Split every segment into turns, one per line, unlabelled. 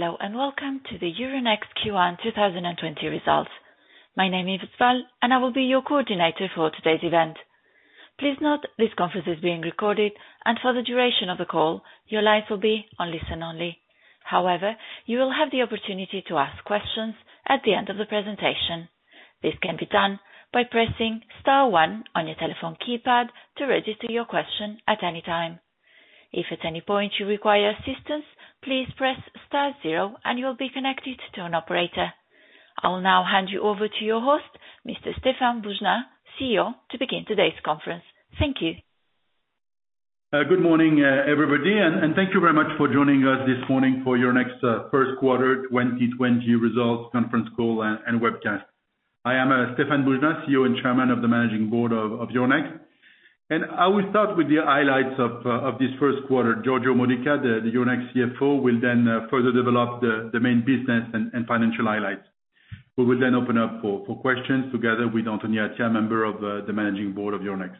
Hello, welcome to the Euronext Q1 2020 results. My name is Val, and I will be your coordinator for today's event. Please note this conference is being recorded, and for the duration of the call, your line will be on listen only. However, you will have the opportunity to ask questions at the end of the presentation. This can be done by pressing star one on your telephone keypad to register your question at any time. If at any point you require assistance, please press star zero and you'll be connected to an operator. I'll now hand you over to your host, Mr. Stéphane Boujnah, CEO, to begin today's conference. Thank you.
Good morning, everybody. Thank you very much for joining us this morning for Euronext first quarter 2020 results conference call and webcast. I am Stéphane Boujnah, CEO and Chairman of the Managing Board of Euronext. I will start with the highlights of this first quarter. Giorgio Modica, the Euronext CFO, will then further develop the main business and financial highlights. We will then open up for questions together with Anthony Attia, member of the Managing Board of Euronext.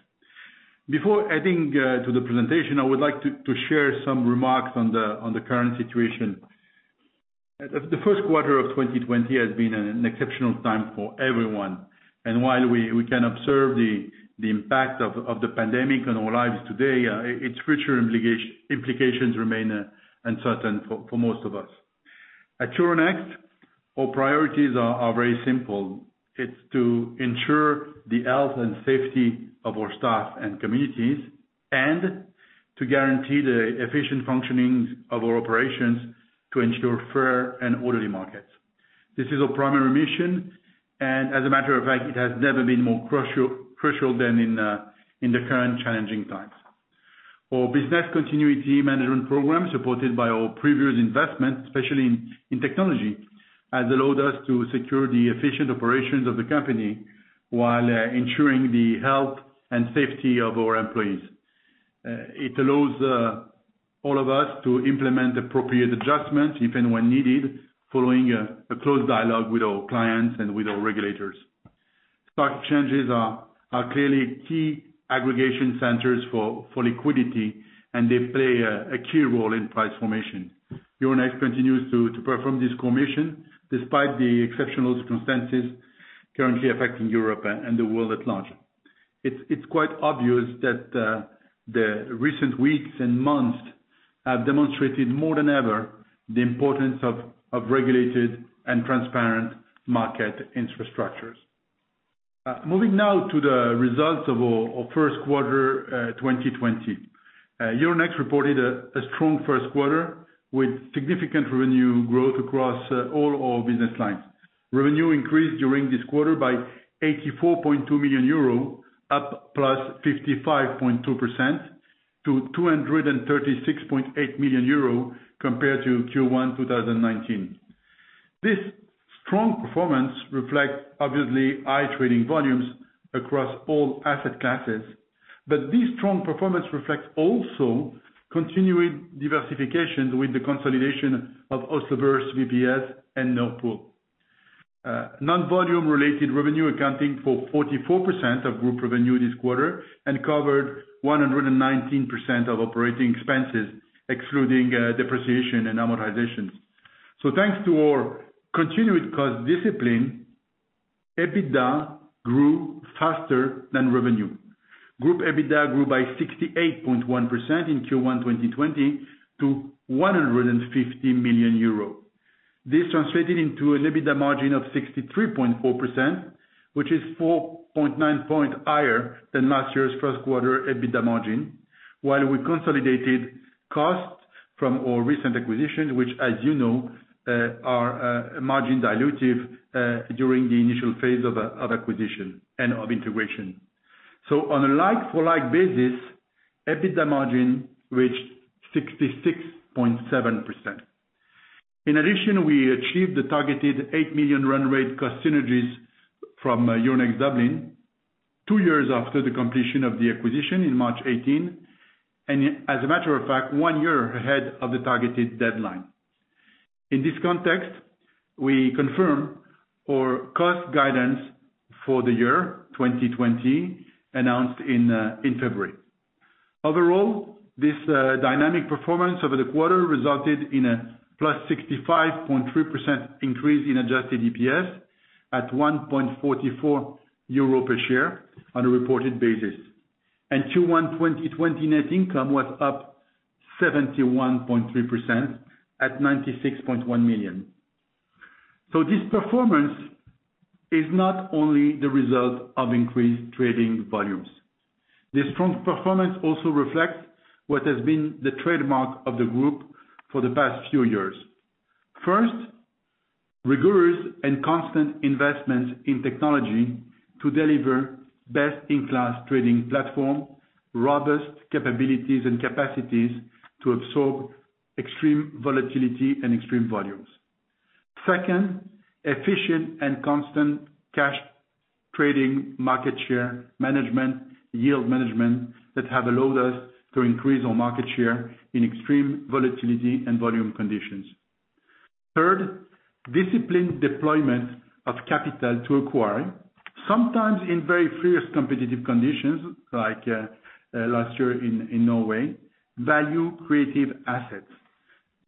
Before adding to the presentation, I would like to share some remarks on the current situation. The first quarter of 2020 has been an exceptional time for everyone. While we can observe the impact of the pandemic on our lives today, its future implications remain uncertain for most of us. At Euronext, our priorities are very simple. It's to ensure the health and safety of our staff and communities, to guarantee the efficient functioning of our operations to ensure fair and orderly markets. This is our primary mission, as a matter of fact, it has never been more crucial than in the current challenging times. Our business continuity management program, supported by our previous investment, especially in technology, has allowed us to secure the efficient operations of the company while ensuring the health and safety of our employees. It allows all of us to implement appropriate adjustments if and when needed, following a close dialogue with our clients and with our regulators. Stock exchanges are clearly key aggregation centers for liquidity, they play a key role in price formation. Euronext continues to perform this mission despite the exceptional circumstances currently affecting Europe and the world at large. It's quite obvious that the recent weeks and months have demonstrated more than ever the importance of regulated and transparent market infrastructures. Moving now to the results of our first quarter 2020. Euronext reported a strong first quarter with significant revenue growth across all our business lines. Revenue increased during this quarter by 84.2 million euro, up +55.2% to 236.8 million euro compared to Q1 2019. This strong performance reflects obviously high trading volumes across all asset classes, this strong performance reflects also continuing diversification with the consolidation of Oslo Børs, VPS, and Nord Pool. Non-volume related revenue accounting for 44% of group revenue this quarter and covered 119% of operating expenses, excluding depreciation and amortization. Thanks to our continued cost discipline, EBITDA grew faster than revenue. Group EBITDA grew by 68.1% in Q1 2020 to 150 million euros. This translated into an EBITDA margin of 63.4%, which is 4.9 point higher than last year's first quarter EBITDA margin, while we consolidated costs from our recent acquisitions, which as you know, are margin dilutive during the initial phase of acquisition and of integration. On a like for like basis, EBITDA margin reached 66.7%. In addition, we achieved the targeted 8 million run rate cost synergies from Euronext Dublin 2 years after the completion of the acquisition in March 2018, and as a matter of fact, 1 year ahead of the targeted deadline. In this context, we confirm our cost guidance for the year 2020 announced in February. Overall, this dynamic performance over the quarter resulted in a +65.3% increase in adjusted EPS at 1.44 euro per share on a reported basis. Q1 2020 net income was up 71.3% at EUR 96.1 million. This performance is not only the result of increased trading volumes. This strong performance also reflects what has been the trademark of the group for the past few years. First, rigorous and constant investments in technology to deliver best-in-class trading platform, robust capabilities and capacities to absorb extreme volatility and extreme volumes. Second, efficient and constant cash trading market share management, yield management that have allowed us to increase our market share in extreme volatility and volume conditions. Third, disciplined deployment of capital to acquire, sometimes in very fierce competitive conditions like last year in Norway, value-creative assets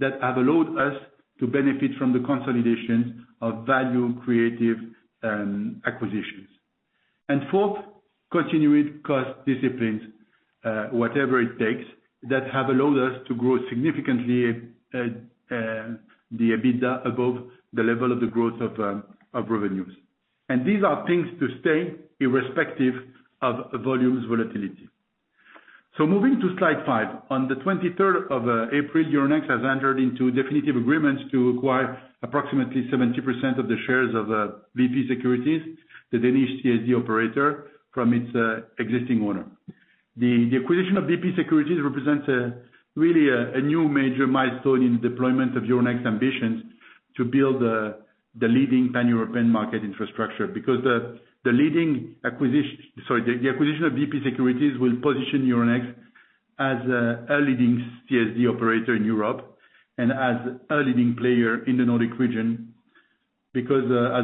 that have allowed us to benefit from the consolidation of value-creative acquisitions. Fourth, continued cost disciplines, whatever it takes, that have allowed us to grow significantly the EBITDA above the level of the growth of revenues. These are things to stay irrespective of volumes volatility. Moving to slide five. On the 23rd of April, Euronext has entered into definitive agreements to acquire approximately 70% of the shares of VP Securities, the Danish CSD operator from its existing owner. The acquisition of VP Securities represents really a new major milestone in the deployment of Euronext ambitions to build the leading Pan-European market infrastructure. The acquisition of VP Securities will position Euronext as a leading CSD operator in Europe and as a leading player in the Nordic region. As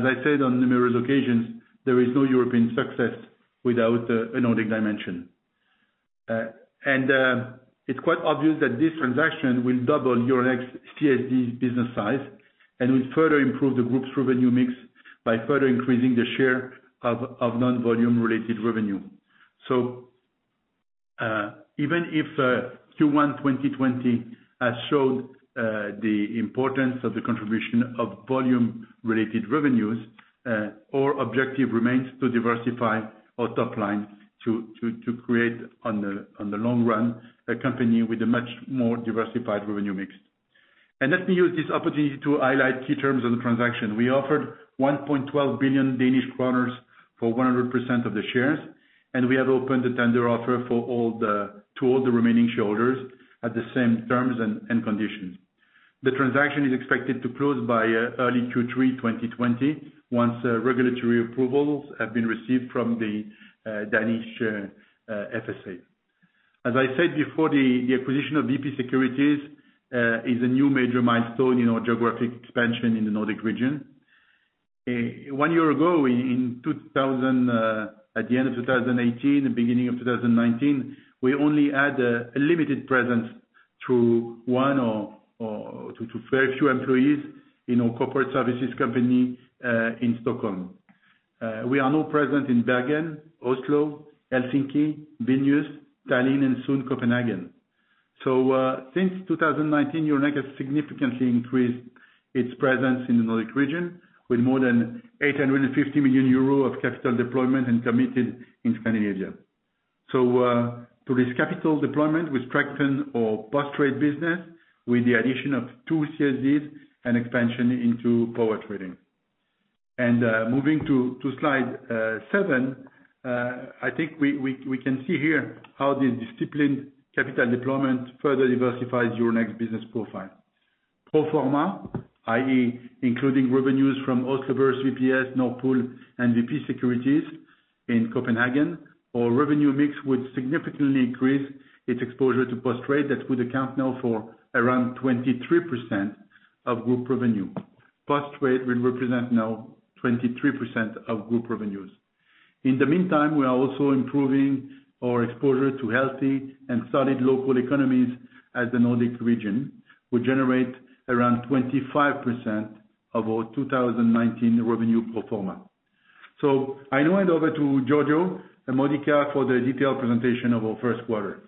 I said on numerous occasions, there is no European success without a Nordic dimension. It's quite obvious that this transaction will double Euronext CSD business size and will further improve the group's revenue mix by further increasing the share of non-volume related revenue. Even if Q1 2020 has showed the importance of the contribution of volume-related revenues, our objective remains to diversify our top line to create, on the long run, a company with a much more diversified revenue mix. Let me use this opportunity to highlight key terms of the transaction. We offered 1.12 billion Danish kroner for 100% of the shares, and we have opened a tender offer to all the remaining shareholders at the same terms and conditions. The transaction is expected to close by early Q3 2020 once regulatory approvals have been received from the Danish FSA. As I said before, the acquisition of VP Securities is a new major milestone in our geographic expansion in the Nordic region. One year ago, at the end of 2018, beginning of 2019, we only had a limited presence through one or two very few employees in our corporate services company in Stockholm. We are now present in Bergen, Oslo, Helsinki, Vilnius, Tallinn and soon Copenhagen. Since 2019, Euronext has significantly increased its presence in the Nordic region with more than 850 million euro of capital deployment and committed in Scandinavia. To this capital deployment, we strengthened our post-trade business with the addition of two CSDs and expansion into power trading. Moving to slide seven, I think we can see here how this disciplined capital deployment further diversifies Euronext business profile. Pro forma, i.e., including revenues from Oslo Børs VPS, Nord Pool and VP Securities in Copenhagen, our revenue mix would significantly increase its exposure to post trade that would account now for around 23% of group revenue. Post trade will represent now 23% of group revenues. In the meantime, we are also improving our exposure to healthy and solid local economies as the Nordic region will generate around 25% of our 2019 revenue pro forma. I now hand over to Giorgio Modica for the detailed presentation of our first quarter.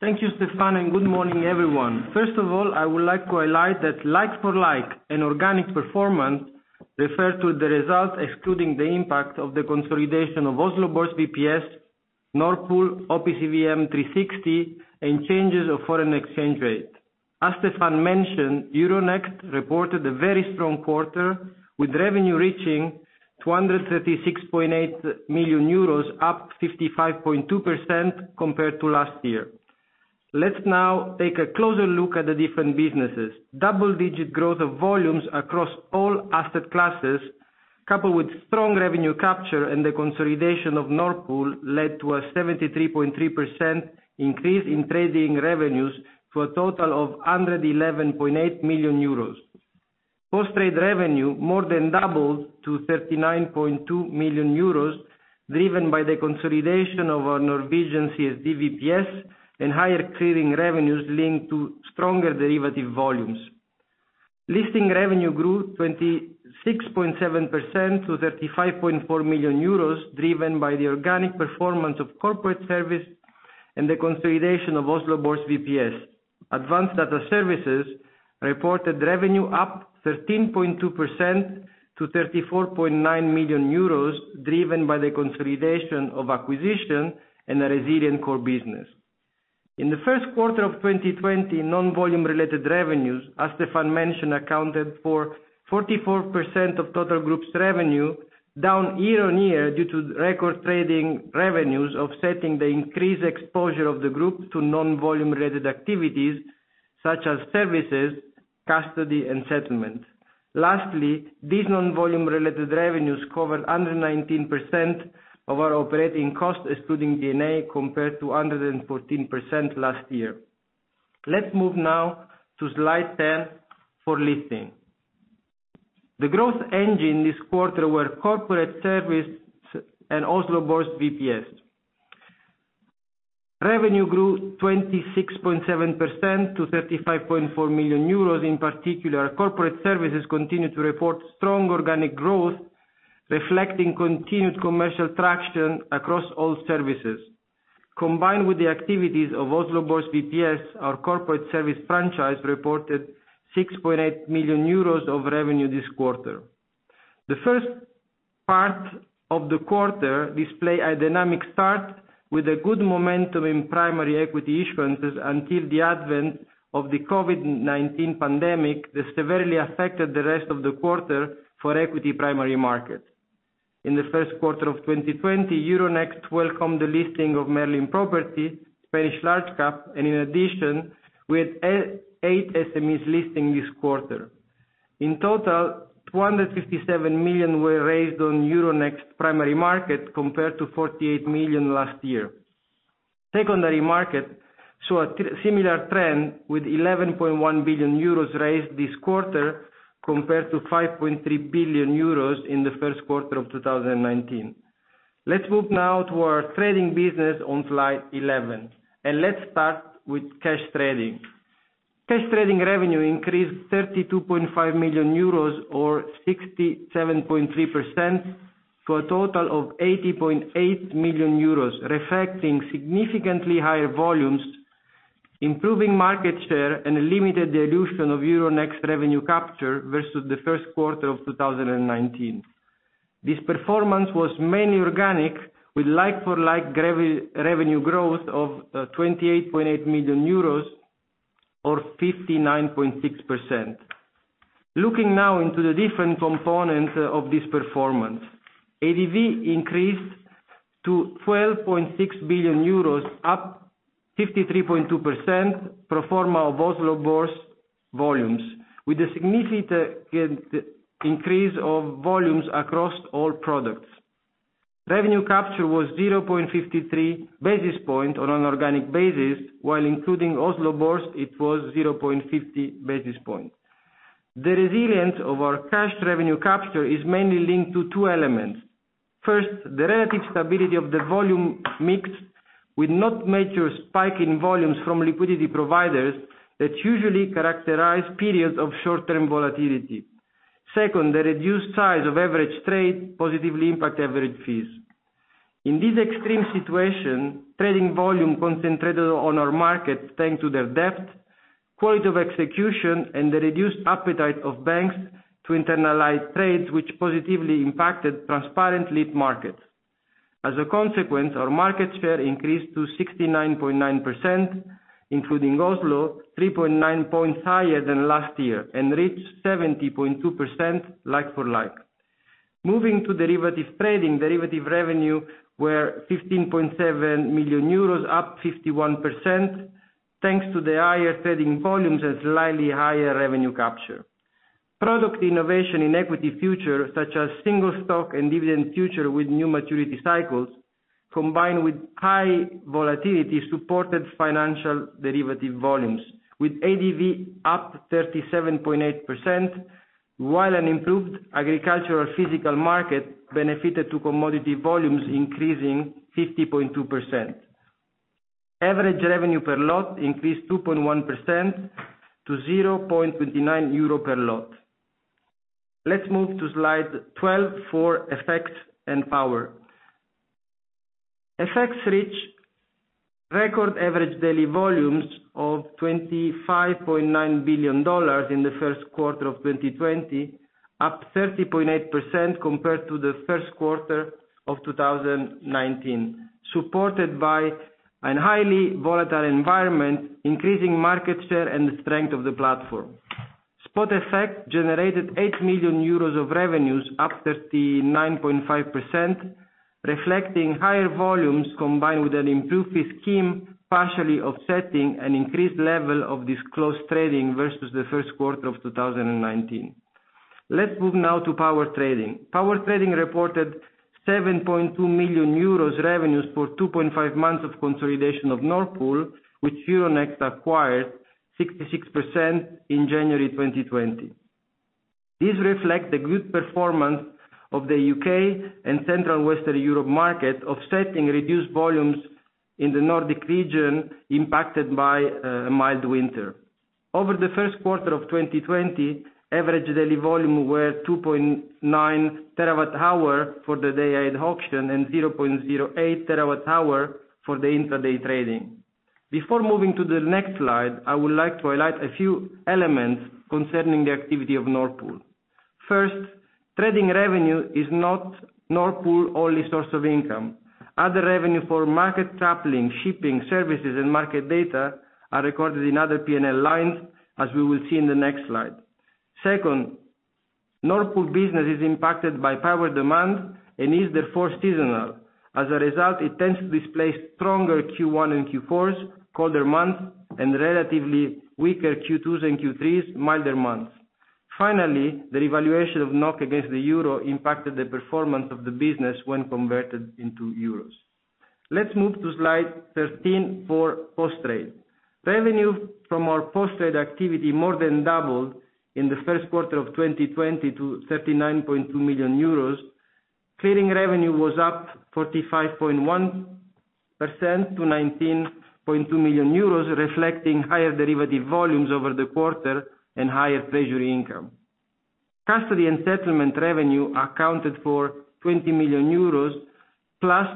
Thank you, Stéphane, and good morning everyone. First of all, I would like to highlight that like for like an organic performance refer to the result excluding the impact of the consolidation of Oslo Børs VPS, Nord Pool, OPCVM360 and changes of foreign exchange rate. As Stéphane mentioned, Euronext reported a very strong quarter, with revenue reaching 236.8 million euros, up 55.2% compared to last year. Let's now take a closer look at the different businesses. Double-digit growth of volumes across all asset classes, coupled with strong revenue capture and the consolidation of Nord Pool, led to a 73.3% increase in trading revenues to a total of 111.8 million euros. Post trade revenue more than doubled to 39.2 million euros, driven by the consolidation of our Norwegian CSD, VPS, and higher clearing revenues linked to stronger derivative volumes. Listing revenue grew 26.7% to 35.4 million euros, driven by the organic performance of corporate service and the consolidation of Oslo Børs VPS. Advanced data services reported revenue up 13.2% to 34.9 million euros, driven by the consolidation of acquisition and a resilient core business. In the first quarter of 2020, non-volume related revenues, as Stéphane mentioned, accounted for 44% of total group's revenue, down year-on-year due to record trading revenues offsetting the increased exposure of the group to non-volume related activities such as services, custody and settlement. Lastly, these non-volume related revenues covered 119% of our operating cost, excluding D&A, compared to 114% last year. Let's move now to slide 10 for listing. The growth engine this quarter were corporate services and Oslo Børs VPS. Revenue grew 26.7% to 35.4 million euros. In particular, corporate services continued to report strong organic growth, reflecting continued commercial traction across all services. Combined with the activities of Oslo Børs VPS, our corporate service franchise reported 6.8 million euros of revenue this quarter. The first part of the quarter display a dynamic start with a good momentum in primary equity issuances until the advent of the COVID-19 pandemic that severely affected the rest of the quarter for equity primary market. In the first quarter of 2020, Euronext welcomed the listing of Merlin Properties, Spanish large cap, and in addition, we had eight SMEs listing this quarter. In total, 257 million were raised on Euronext primary market compared to 48 million last year. Secondary market saw a similar trend with 11.1 billion euros raised this quarter compared to 5.3 billion euros in the first quarter of 2019. Let's move now to our trading business on slide 11, and let's start with cash trading. Cash trading revenue increased 32.5 million euros or 67.3% for a total of 80.8 million euros, reflecting significantly higher volumes, improving market share, and a limited dilution of Euronext revenue capture versus the first quarter of 2019. This performance was mainly organic, with like for like revenue growth of 28.8 million euros or 59.6%. Looking now into the different components of this performance. ADV increased to 12.6 billion euros, up 53.2% pro forma of Oslo Børs volumes, with a significant increase of volumes across all products. Revenue capture was 0.53 basis point on an organic basis, while including Oslo Børs, it was 0.50 basis point. The resilience of our cash revenue capture is mainly linked to two elements. First, the relative stability of the volume mix with no major spike in volumes from liquidity providers that usually characterize periods of short-term volatility. Second, the reduced size of average trade positively impact average fees. In this extreme situation, trading volume concentrated on our markets thanks to their depth, quality of execution, and the reduced appetite of banks to internalize trades, which positively impacted transparent lead markets. As a consequence, our market share increased to 69.9%, including Oslo, 3.9 points higher than last year and reached 70.2% like for like. Moving to derivative trading, derivative revenue were 15.7 million euros, up 51%, thanks to the higher trading volumes and slightly higher revenue capture. Product innovation in equity future, such as single stock and dividend future with new maturity cycles, combined with high volatility, supported financial derivative volumes, with ADV up 37.8%, while an improved agricultural physical market benefited to commodity volumes, increasing 50.2%. Average revenue per lot increased 2.1% to 0.29 euro per lot. Let's move to slide 12 for FX and Power. FX reached record average daily volumes of $25.9 billion in the first quarter of 2020, up 30.8% compared to the first quarter of 2019, supported by a highly volatile environment, increasing market share, and the strength of the platform. Spot FX generated €8 million of revenues, up 39.5%, reflecting higher volumes combined with an improved fee scheme, partially offsetting an increased level of disclosed trading versus the first quarter of 2019. Let's move now to Power trading. Power trading reported €7.2 million revenues for 2.5 months of consolidation of Nord Pool, which Euronext acquired 66% in January 2020. These reflect the good performance of the U.K. and Central Western Europe market, offsetting reduced volumes in the Nordic region impacted by a mild winter. Over the first quarter of 2020, average daily volume were 2.9 terawatt hour for the day-ahead auction and 0.08 terawatt hour for the intraday trading. Before moving to the next slide, I would like to highlight a few elements concerning the activity of Nord Pool. First, trading revenue is not Nord Pool only source of income. Other revenue for market coupling, shipping, services, and market data are recorded in other P&L lines as we will see in the next slide. Second, Nord Pool business is impacted by power demand and is therefore seasonal. As a result, it tends to display stronger Q1 and Q4s, colder months, and relatively weaker Q2s and Q3s, milder months. Finally, the revaluation of NOK against the euro impacted the performance of the business when converted into euros. Let's move to slide 13 for Post Trade. Revenue from our Post Trade activity more than doubled in the first quarter of 2020 to 39.2 million euros. Clearing revenue was up 45.1% to €19.2 million, reflecting higher derivative volumes over the quarter and higher treasury income. Custody and settlement revenue accounted for €20 million, plus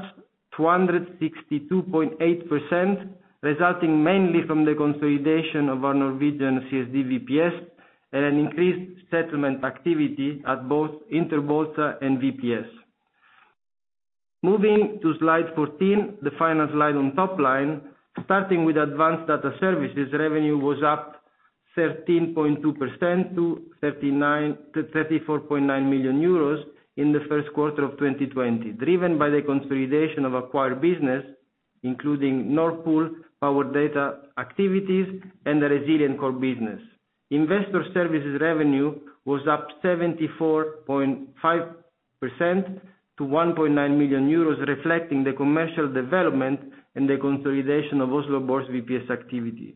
262.8%, resulting mainly from the consolidation of our Norwegian CSD, VPS, and an increased settlement activity at both Interbolsa and VPS. Moving to slide 14, the final slide on top line, starting with Advanced Data Services revenue, was up 13.2% to €34.9 million in the first quarter of 2020, driven by the consolidation of acquired business, including Nord Pool, Power data activities, and the resilient core business. Investor services revenue was up 74.5% to €1.9 million, reflecting the commercial development and the consolidation of Oslo Børs VPS activity.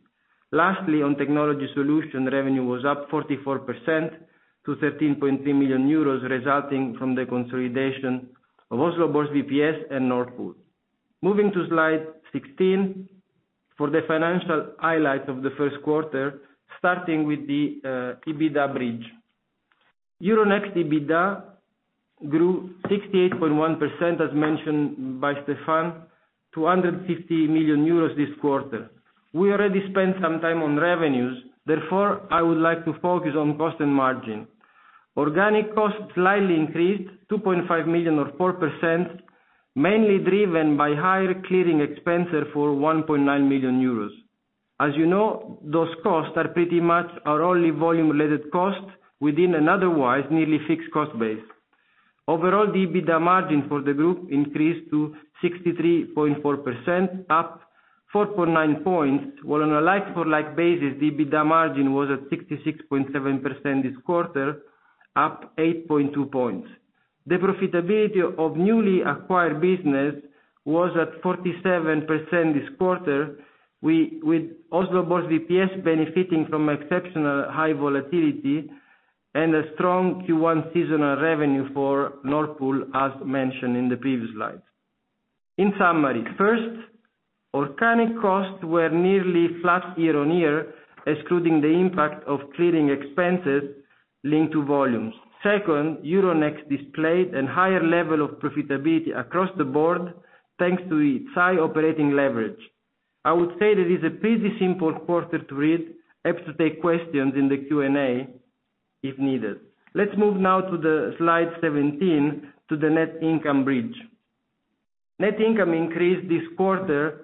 Lastly, on technology solution, revenue was up 44% to €13.3 million, resulting from the consolidation of Oslo Børs VPS and Nord Pool. Moving to slide 16 for the financial highlight of the first quarter, starting with the EBITDA bridge. Euronext EBITDA grew 68.1%, as mentioned by Stéphane, to 150 million euros this quarter. We already spent some time on revenues, therefore, I would like to focus on cost and margin. Organic costs slightly increased, 2.5 million or 4%, mainly driven by higher clearing expenses for 1.9 million euros. As you know, those costs are pretty much our only volume-related cost within an otherwise nearly fixed cost base. Overall, the EBITDA margin for the group increased to 63.4%, up 4.9 points, while on a like-for-like basis, the EBITDA margin was at 66.7% this quarter, up 8.2 points. The profitability of newly acquired business was at 47% this quarter. With Oslo Børs VPS benefiting from exceptional high volatility and a strong Q1 seasonal revenue for Nord Pool, as mentioned in the previous slides. In summary, first, organic costs were nearly flat year-on-year, excluding the impact of clearing expenses linked to volumes. Second, Euronext displayed a higher level of profitability across the board, thanks to its high operating leverage. I would say that it's a pretty simple quarter to read. Happy to take questions in the Q&A if needed. Let's move now to the slide 17 to the net income bridge. Net income increased this quarter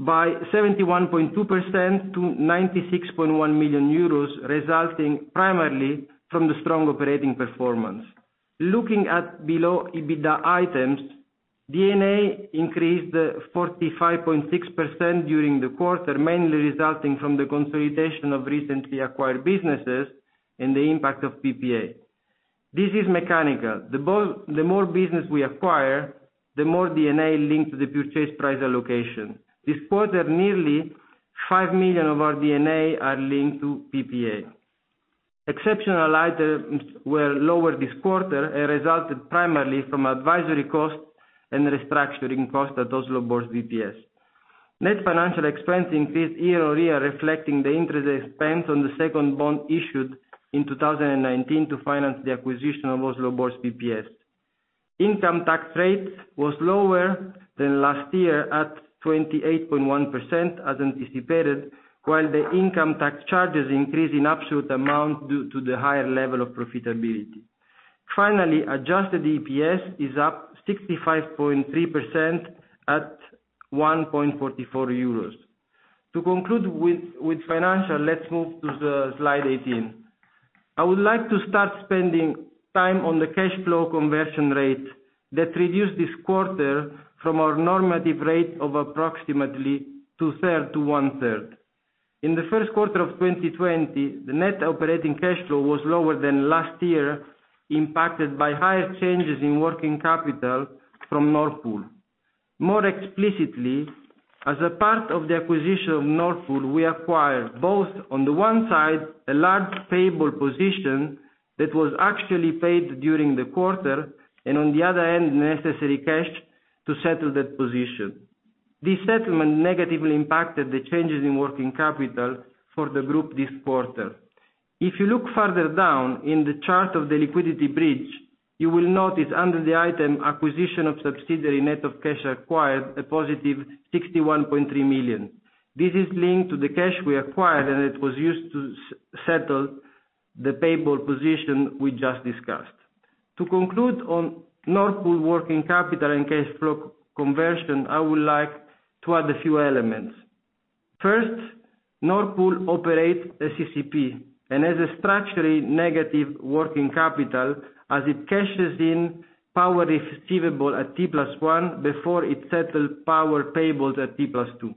by 71.2% to 96.1 million euros, resulting primarily from the strong operating performance. Looking at below EBITDA items, D&A increased 45.6% during the quarter, mainly resulting from the consolidation of recently acquired businesses and the impact of PPA. This is mechanical. The more business we acquire, the more D&A linked to the purchase price allocation. This quarter, nearly 5 million of our D&A are linked to PPA. Exceptional items were lower this quarter and resulted primarily from advisory costs and restructuring costs at Oslo Børs VPS. Net financial expense increased year-on-year, reflecting the interest expense on the second bond issued in 2019 to finance the acquisition of Oslo Børs VPS. Income tax rate was lower than last year at 28.1%, as anticipated, while the income tax charges increased in absolute amount due to the higher level of profitability. Finally, adjusted EPS is up 65.3% at 1.44 euros. To conclude with financial, let's move to slide 18. I would like to start spending time on the cash flow conversion rate that reduced this quarter from our normative rate of approximately two-third to one-third. In the first quarter of 2020, the net operating cash flow was lower than last year, impacted by higher changes in working capital from Nord Pool. More explicitly, as a part of the acquisition of Nord Pool, we acquired both, on the one side, a large payable position that was actually paid during the quarter, and on the other end, the necessary cash to settle that position. This settlement negatively impacted the changes in working capital for the group this quarter. If you look further down in the chart of the liquidity bridge, you will notice under the item Acquisition of Subsidiary Net of Cash Acquired, a positive 61.3 million. This is linked to the cash we acquired, and it was used to settle the payable position we just discussed. To conclude on Nord Pool working capital and cash flow conversion, I would like to add a few elements. First, Nord Pool operates a CCP and has a structurally negative working capital as it caches in power receivable at T+1 before it settles power payable at T+2.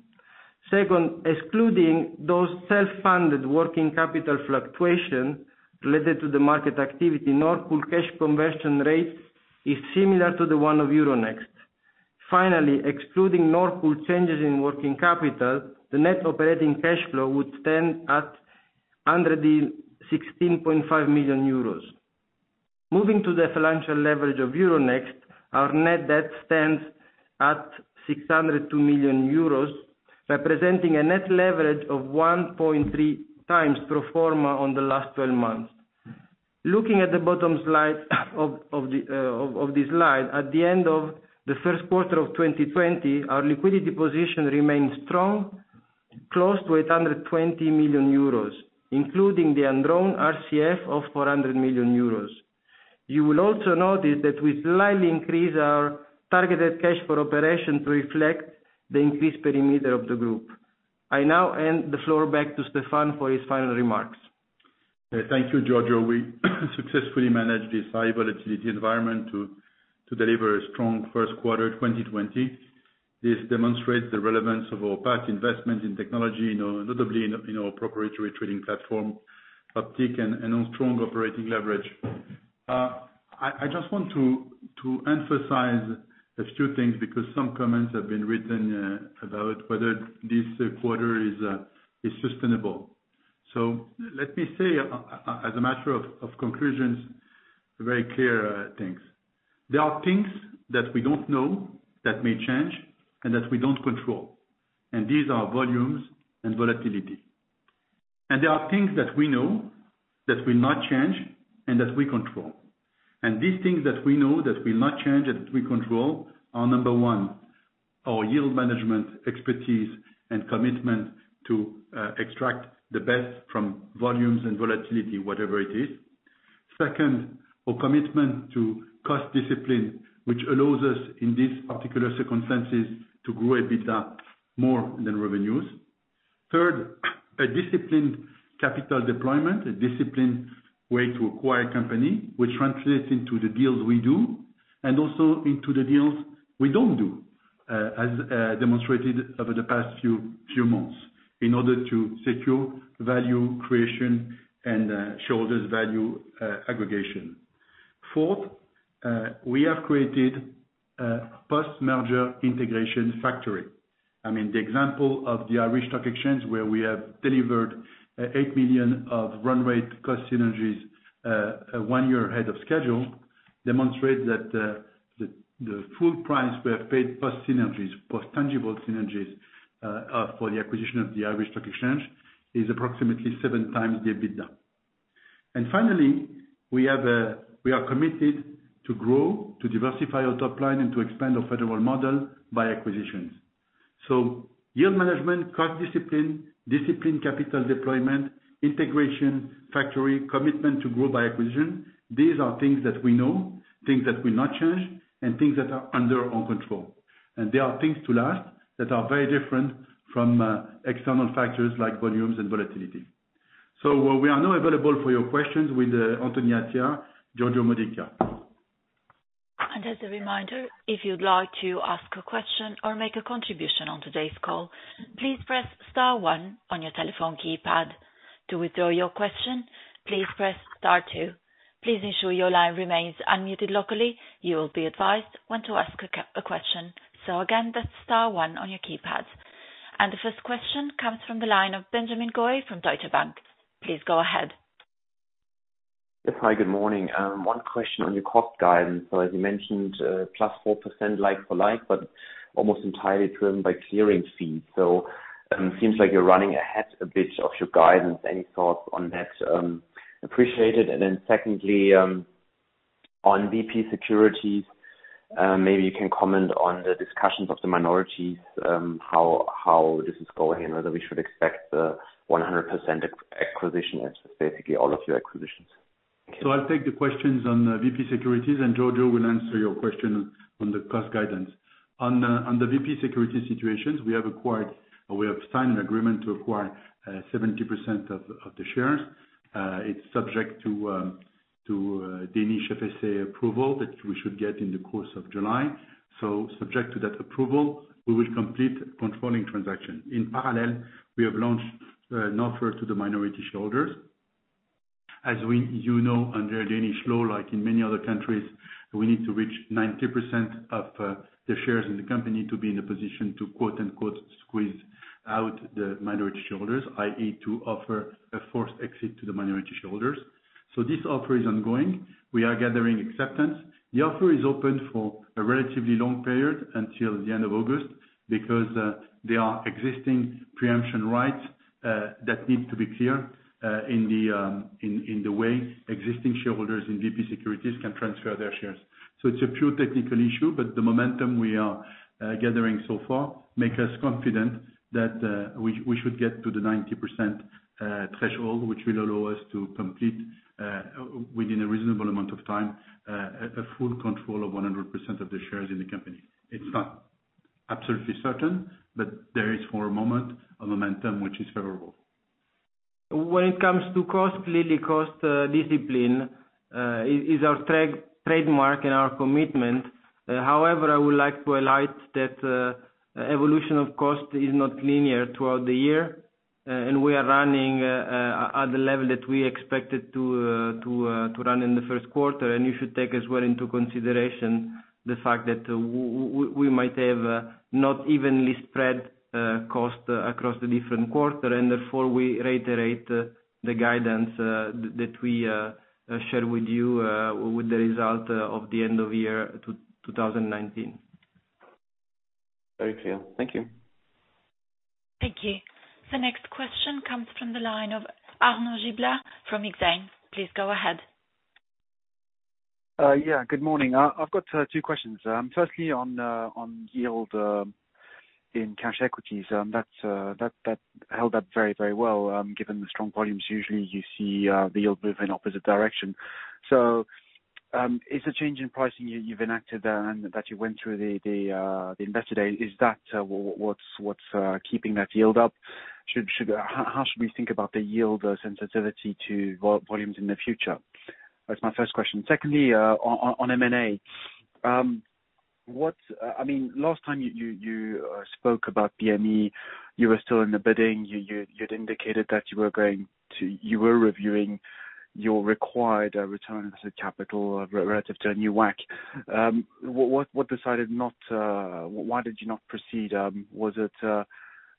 Second, excluding those self-funded working capital fluctuation related to the market activity, Nord Pool cash conversion rate is similar to the one of Euronext. Finally, excluding Nord Pool changes in working capital, the net operating cash flow would stand at 116.5 million euros. Moving to the financial leverage of Euronext, our net debt stands at 602 million euros, representing a net leverage of 1.3 times pro forma on the last 12 months. Looking at the bottom slide of the slide, at the end of the first quarter of 2020, our liquidity position remained strong, close to 820 million euros, including the undrawn RCF of 400 million euros. You will also notice that we slightly increased our targeted cash for operation to reflect the increased perimeter of the group. I now hand the floor back to Stéphane for his final remarks.
Thank you, Giorgio. We successfully managed this high volatility environment to deliver a strong first quarter 2020. This demonstrates the relevance of our past investment in technology, notably in our proprietary trading platform, Optiq, and on strong operating leverage. I just want to emphasize a few things because some comments have been written about whether this quarter is sustainable. Let me say as a matter of conclusions, very clear things. There are things that we don't know that may change and that we don't control. These are volumes and volatility. There are things that we know that will not change and that we control. These things that we know that will not change and that we control are, number 1, our yield management expertise and commitment to extract the best from volumes and volatility, whatever it is. Second, our commitment to cost discipline, which allows us, in these particular circumstances, to grow a bit more than revenues. Third, a disciplined capital deployment, a disciplined way to acquire company, which translates into the deals we do and also into the deals we don't do, as demonstrated over the past few months in order to secure value creation and shareholders value aggregation. Fourth, we have created a post-merger integration factory. I mean, the example of the Irish Stock Exchange where we have delivered 8 million of run rate cost synergies one year ahead of schedule, demonstrate that the full price we have paid post synergies, post tangible synergies, for the acquisition of the Irish Stock Exchange is approximately 7x the EBITDA. Finally, we are committed to grow, to diversify our top line, and to expand our federal model by acquisitions. Yield management, cost discipline capital deployment, integration factory, commitment to grow by acquisition. These are things that we know, things that will not change, and things that are under our control. There are things to last that are very different from external factors like volumes and volatility. We are now available for your questions with Anthony Attia, Giorgio Modica.
As a reminder, if you'd like to ask a question or make a contribution on today's call, please press star one on your telephone keypad. To withdraw your question, please press star two. Please ensure your line remains unmuted locally. You will be advised when to ask a question. Again, that's star one on your keypads. The first question comes from the line of Benjamin Goy from Deutsche Bank. Please go ahead.
Yes. Hi, good morning. One question on your cost guidance. As you mentioned, plus 4% like for like, but almost entirely driven by clearing fees. Any thoughts on that? Appreciate it. Secondly, on VP Securities, maybe you can comment on the discussions of the minorities, how this is going and whether we should expect the 100% acquisition as basically all of your acquisitions.
I'll take the questions on VP Securities, and Giorgio will answer your question on the cost guidance. On the VP Securities situations, we have signed an agreement to acquire 70% of the shares. It's subject to Danish FSA approval that we should get in the course of July. Subject to that approval, we will complete controlling transaction. In parallel, we have launched an offer to the minority shareholders. As you know, under Danish law, like in many other countries, we need to reach 90% of the shares in the company to be in a position to quote-unquote, squeeze out the minority shareholders, i.e. to offer a forced exit to the minority shareholders. This offer is ongoing. We are gathering acceptance. The offer is open for a relatively long period until the end of August, because there are existing preemption rights that need to be clear in the way existing shareholders in VP Securities can transfer their shares. It's a pure technical issue, but the momentum we are gathering so far make us confident that we should get to the 90% threshold, which will allow us to complete, within a reasonable amount of time, a full control of 100% of the shares in the company. It's not absolutely certain, but there is for a moment, a momentum which is favorable.
When it comes to cost, clearly cost discipline is our trademark and our commitment. However, I would like to highlight that evolution of cost is not linear throughout the year, and we are running at the level that we expected to run in the first quarter. You should take as well into consideration the fact that we might have not evenly spread cost across the different quarter, and therefore, we reiterate the guidance that we share with you with the result of the end of year 2019.
Very clear. Thank you.
Thank you. The next question comes from the line of Arnaud Giblat from Exane. Please go ahead.
Yeah. Good morning. I've got two questions. Firstly, on yield in cash equities, that held up very well given the strong volumes. Usually, you see the yield move in opposite direction. Is the change in pricing you've enacted there and that you went through the Investor Day, is that what's keeping that yield up? How should we think about the yield sensitivity to volumes in the future? That's my first question. Secondly, on M&A. Last time you spoke about BME, you were still in the bidding. You'd indicated that you were reviewing your required return on capital relative to a new WACC. Why did you not proceed? Was it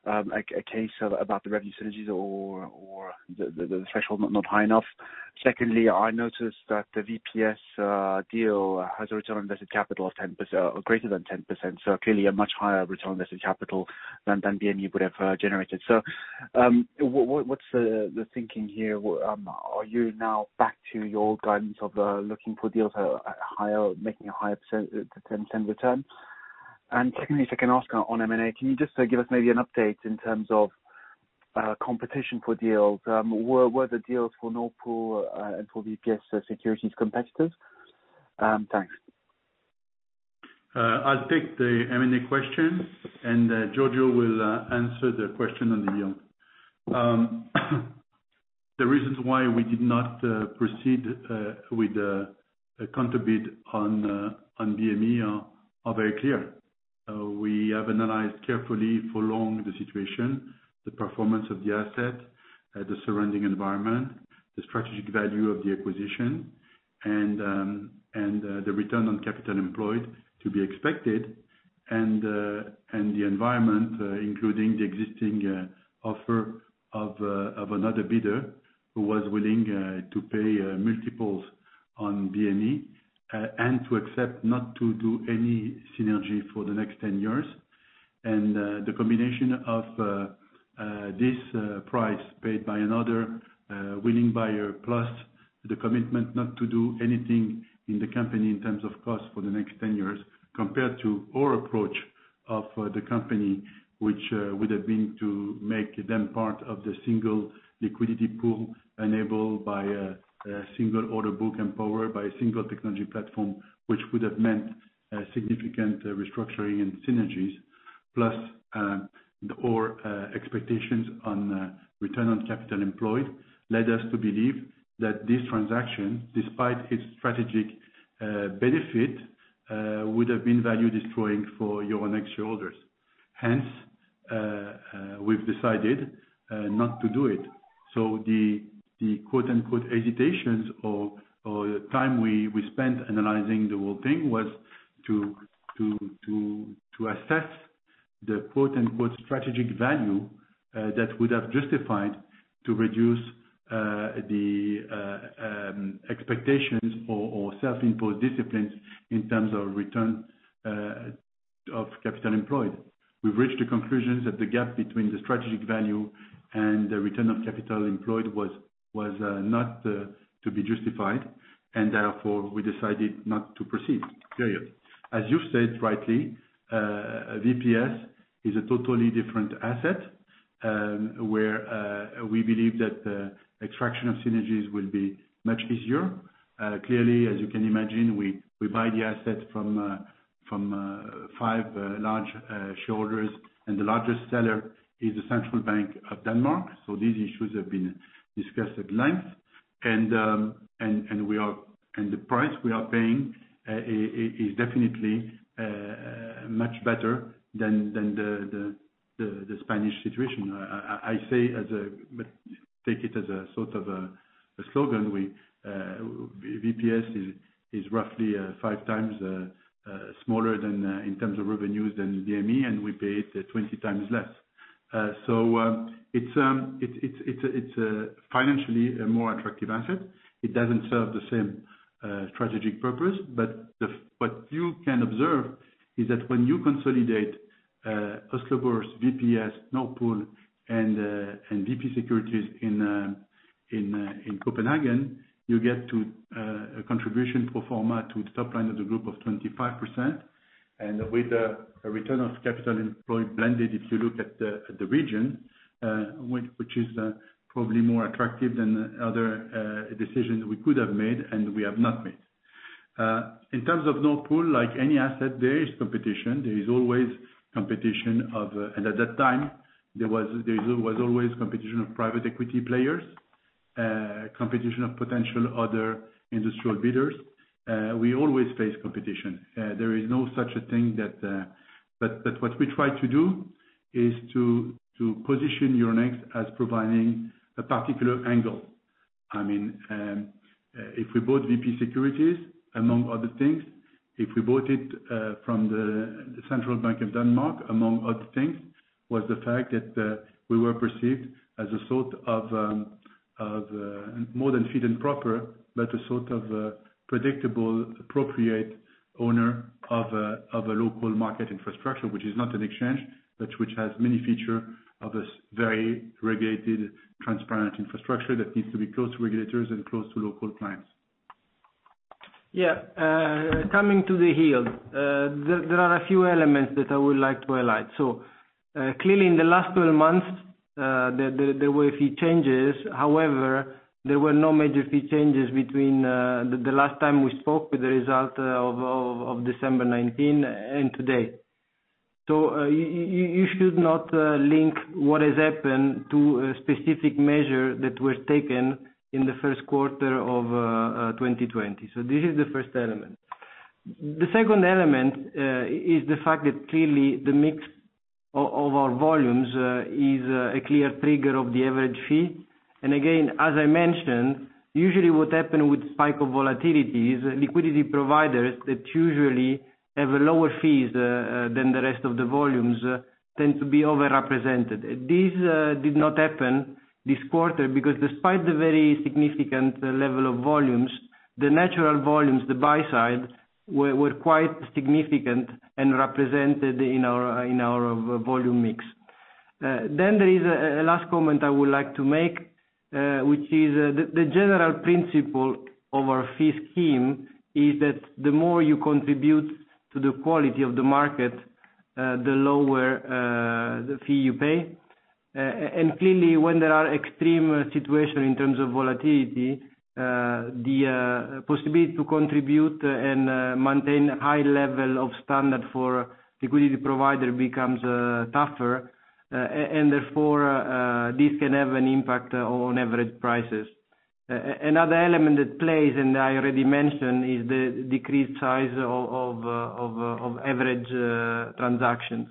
a case about the revenue synergies or the threshold not high enough? Secondly, I noticed that the VPS deal has a return on invested capital of greater than 10%, clearly a much higher return on invested capital than BME would have generated. What's the thinking here? Are you now back to your guidance of looking for deals, making a higher to 10% return? Secondly, if I can ask on M&A, can you just give us maybe an update in terms of competition for deals? Were the deals for Nord Pool and for VP Securities competitors? Thanks.
I'll take the M&A question, and Giorgio will answer the question on the yield. The reasons why we did not proceed with a counter bid on BME are very clear. We have analyzed carefully for long the situation, the performance of the asset, the surrounding environment, the strategic value of the acquisition, and the return on capital employed to be expected, and the environment including the existing offer of another bidder who was willing to pay multiples on BME, and to accept not to do any synergy for the next 10 years. The combination of this price paid by another willing buyer, plus the commitment not to do anything in the company in terms of cost for the next 10 years, compared to our approach of the company, which would have been to make them part of the single liquidity pool enabled by a single order book and powered by a single technology platform, which would have meant significant restructuring and synergies, plus our expectations on return on capital employed, led us to believe that this transaction, despite its strategic benefit, would have been value destroying for Euronext shareholders. We've decided not to do it. The "hesitations" or, the time we spent analyzing the whole thing was to assess the "strategic value" that would have justified to reduce the expectations or self-imposed disciplines in terms of return on capital employed. We've reached a conclusion that the gap between the strategic value and the return of capital employed was not to be justified, and therefore, we decided not to proceed. Period. As you've said rightly, VPS is a totally different asset, where we believe that extraction of synergies will be much easier. Clearly, as you can imagine, we buy the assets from five large shareholders, and the largest seller is the Central Bank of Denmark. These issues have been discussed at length. The price we are paying is definitely much better than the Spanish situation. Take it as a sort of a slogan. VPS is roughly five times smaller in terms of revenues than BME, and we pay it 20 times less. It's a financially more attractive asset. It doesn't serve the same strategic purpose. What you can observe is that when you consolidate Oslo Børs, VPS, Nord Pool, and VP Securities in Copenhagen, you get to a contribution pro forma to the top line of the group of 25%. With a return of capital employed blended, if you look at the region, which is probably more attractive than other decisions we could have made and we have not made. In terms of Nord Pool, like any asset, there is competition. There is always competition, and at that time, there was always competition of private equity players, competition of potential other industrial bidders. We always face competition. There is no such a thing. What we try to do is to position Euronext as providing a particular angle. If we bought VP Securities, among other things, if we bought it from the Central Bank of Denmark, among other things, was the fact that we were perceived as a sort of more than fit and proper, but a sort of predictable, appropriate owner of a local market infrastructure, which is not an exchange, but which has many features of a very regulated, transparent infrastructure that needs to be close to regulators and close to local clients.
Yeah. Coming to the yield. There are a few elements that I would like to highlight. Clearly, in the last 12 months, there were a few changes. However, there were no major fee changes between the last time we spoke with the result of December 2019 and today. You should not link what has happened to a specific measure that was taken in the first quarter of 2020. This is the first element. The second element is the fact that clearly the mix of our volumes is a clear trigger of the average fee. Again, as I mentioned, usually what happen with spike of volatility is liquidity providers that usually have lower fees than the rest of the volumes tend to be over-represented. This did not happen this quarter because despite the very significant level of volumes, the natural volumes, the buy side, were quite significant and represented in our volume mix. There is a last comment I would like to make, which is the general principle of our fee scheme is that the more you contribute to the quality of the market, the lower the fee you pay. Clearly, when there are extreme situations in terms of volatility, the possibility to contribute and maintain high level of standard for liquidity provider becomes tougher, and therefore, this can have an impact on average prices. Another element that plays, and I already mentioned, is the decreased size of average transactions.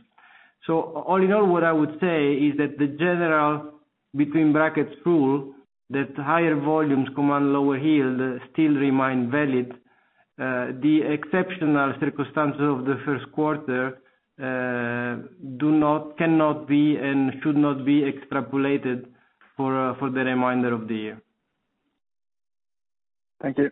All in all, what I would say is that the general, between brackets, rule, that higher volumes command lower yield still remain valid. The exceptional circumstances of the first quarter cannot be and should not be extrapolated for the remainder of the year.
Thank you.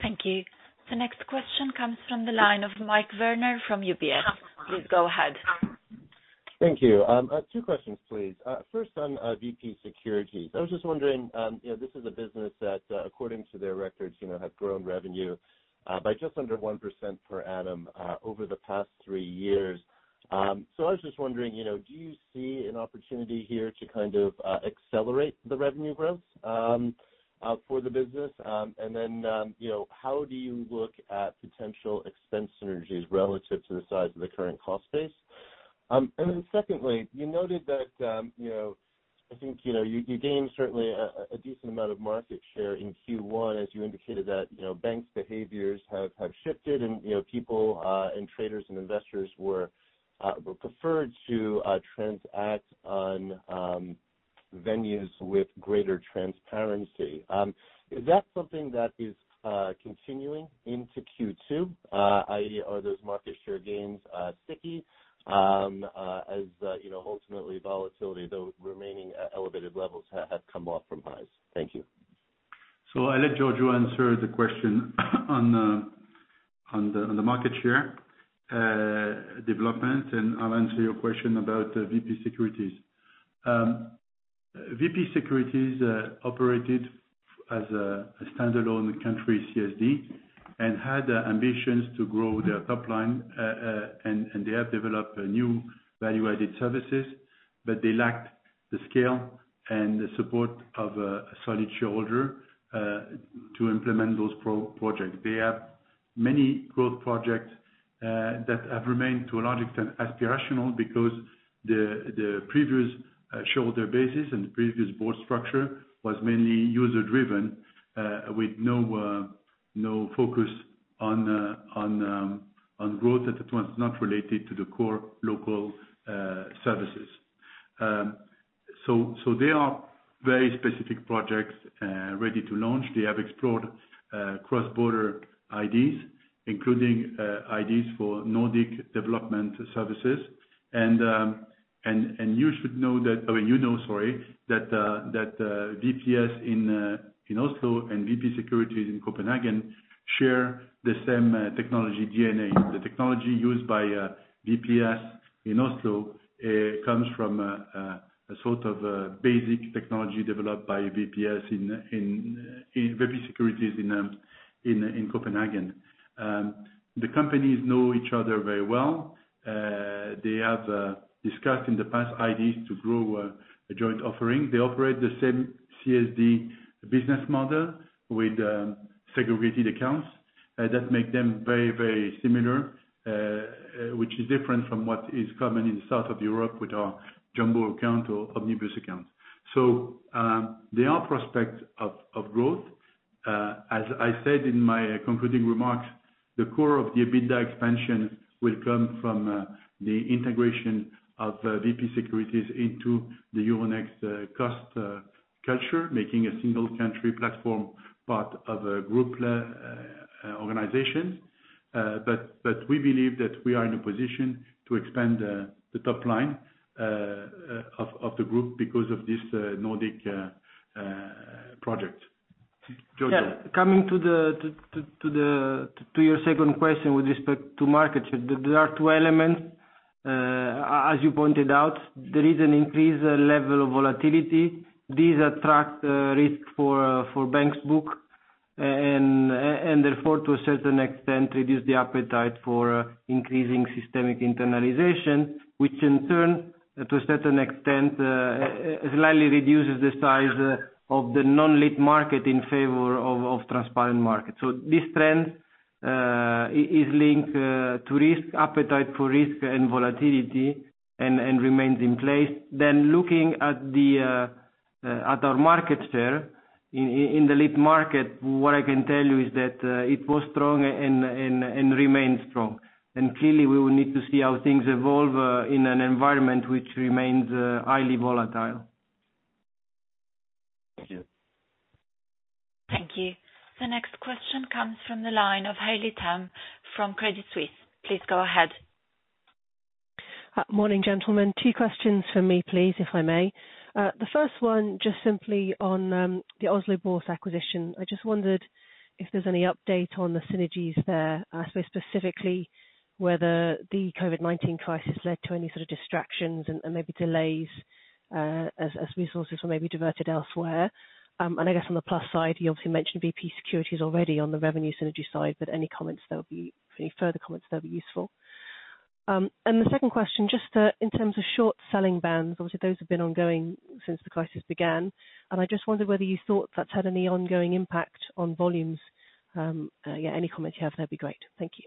Thank you. The next question comes from the line of Michael Werner from UBS. Please go ahead.
Thank you. Two questions, please. First on VP Securities. I was just wondering, this is a business that according to their records have grown revenue by just under 1% per annum over the past three years. I was just wondering, do you see an opportunity here to kind of accelerate the revenue growth for the business? How do you look at potential expense synergies relative to the size of the current cost base? Secondly, you noted that you gained certainly a decent amount of market share in Q1 as you indicated that banks' behaviors have shifted and people and traders and investors preferred to transact on venues with greater transparency. Is that something that is continuing into Q2, i.e. are those market share gains sticky as ultimately volatility, though remaining at elevated levels, have come off from highs? Thank you.
I'll let Giorgio answer the question on the market share development, and I'll answer your question about VP Securities. VP Securities operated as a standalone country CSD and had ambitions to grow their top line, and they have developed new value-added services, but they lacked the scale and the support of a solid shareholder to implement those projects. They have many growth projects that have remained to a large extent aspirational because the previous shareholder bases and the previous board structure was mainly user-driven, with no focus on growth that was not related to the core local services. They are very specific projects ready to launch. They have explored cross-border IDs, including IDs for Nordic development services. You know that VPS in Oslo and VP Securities in Copenhagen share the same technology D&A. The technology used by VPS in Oslo comes from a sort of basic technology developed by VP Securities in Copenhagen. The companies know each other very well. They have discussed in the past ideas to grow a joint offering. They operate the same CSD business model with segregated accounts. That make them very similar, which is different from what is common in south of Europe with our jumbo account or omnibus account. There are prospects of growth. As I said in my concluding remarks, the core of the EBITDA expansion will come from the integration of VP Securities into the Euronext cost culture, making a single country platform part of a group organization. We believe that we are in a position to expand the top line of the group because of this Nordic project. Giorgio.
Yeah. Coming to your second question with respect to market share. There are two elements, as you pointed out, there is an increased level of volatility. These attract risk for banks' book, and therefore to a certain extent, reduce the appetite for increasing systemic internalization, which in turn, to a certain extent slightly reduces the size of the non-lit market in favor of transparent market. This trend is linked to risk appetite for risk and volatility and remains in place. Looking at our market share in the lit market, what I can tell you is that it was strong and remains strong. Clearly we will need to see how things evolve in an environment which remains highly volatile.
Thank you.
Thank you. The next question comes from the line of Haley Tam from Credit Suisse. Please go ahead.
Morning, gentlemen. Two questions from me, please, if I may. The first one, just simply on the Oslo Børs acquisition. I just wondered if there's any update on the synergies there, I suppose specifically whether the COVID-19 crisis led to any sort of distractions and maybe delays as resources were maybe diverted elsewhere. I guess on the plus side, you obviously mentioned VP Securities already on the revenue synergy side, but any further comments, that'd be useful. The second question, just in terms of short selling bans, obviously those have been ongoing since the crisis began, and I just wondered whether you thought that's had any ongoing impact on volumes. Yeah, any comments you have, that'd be great. Thank you.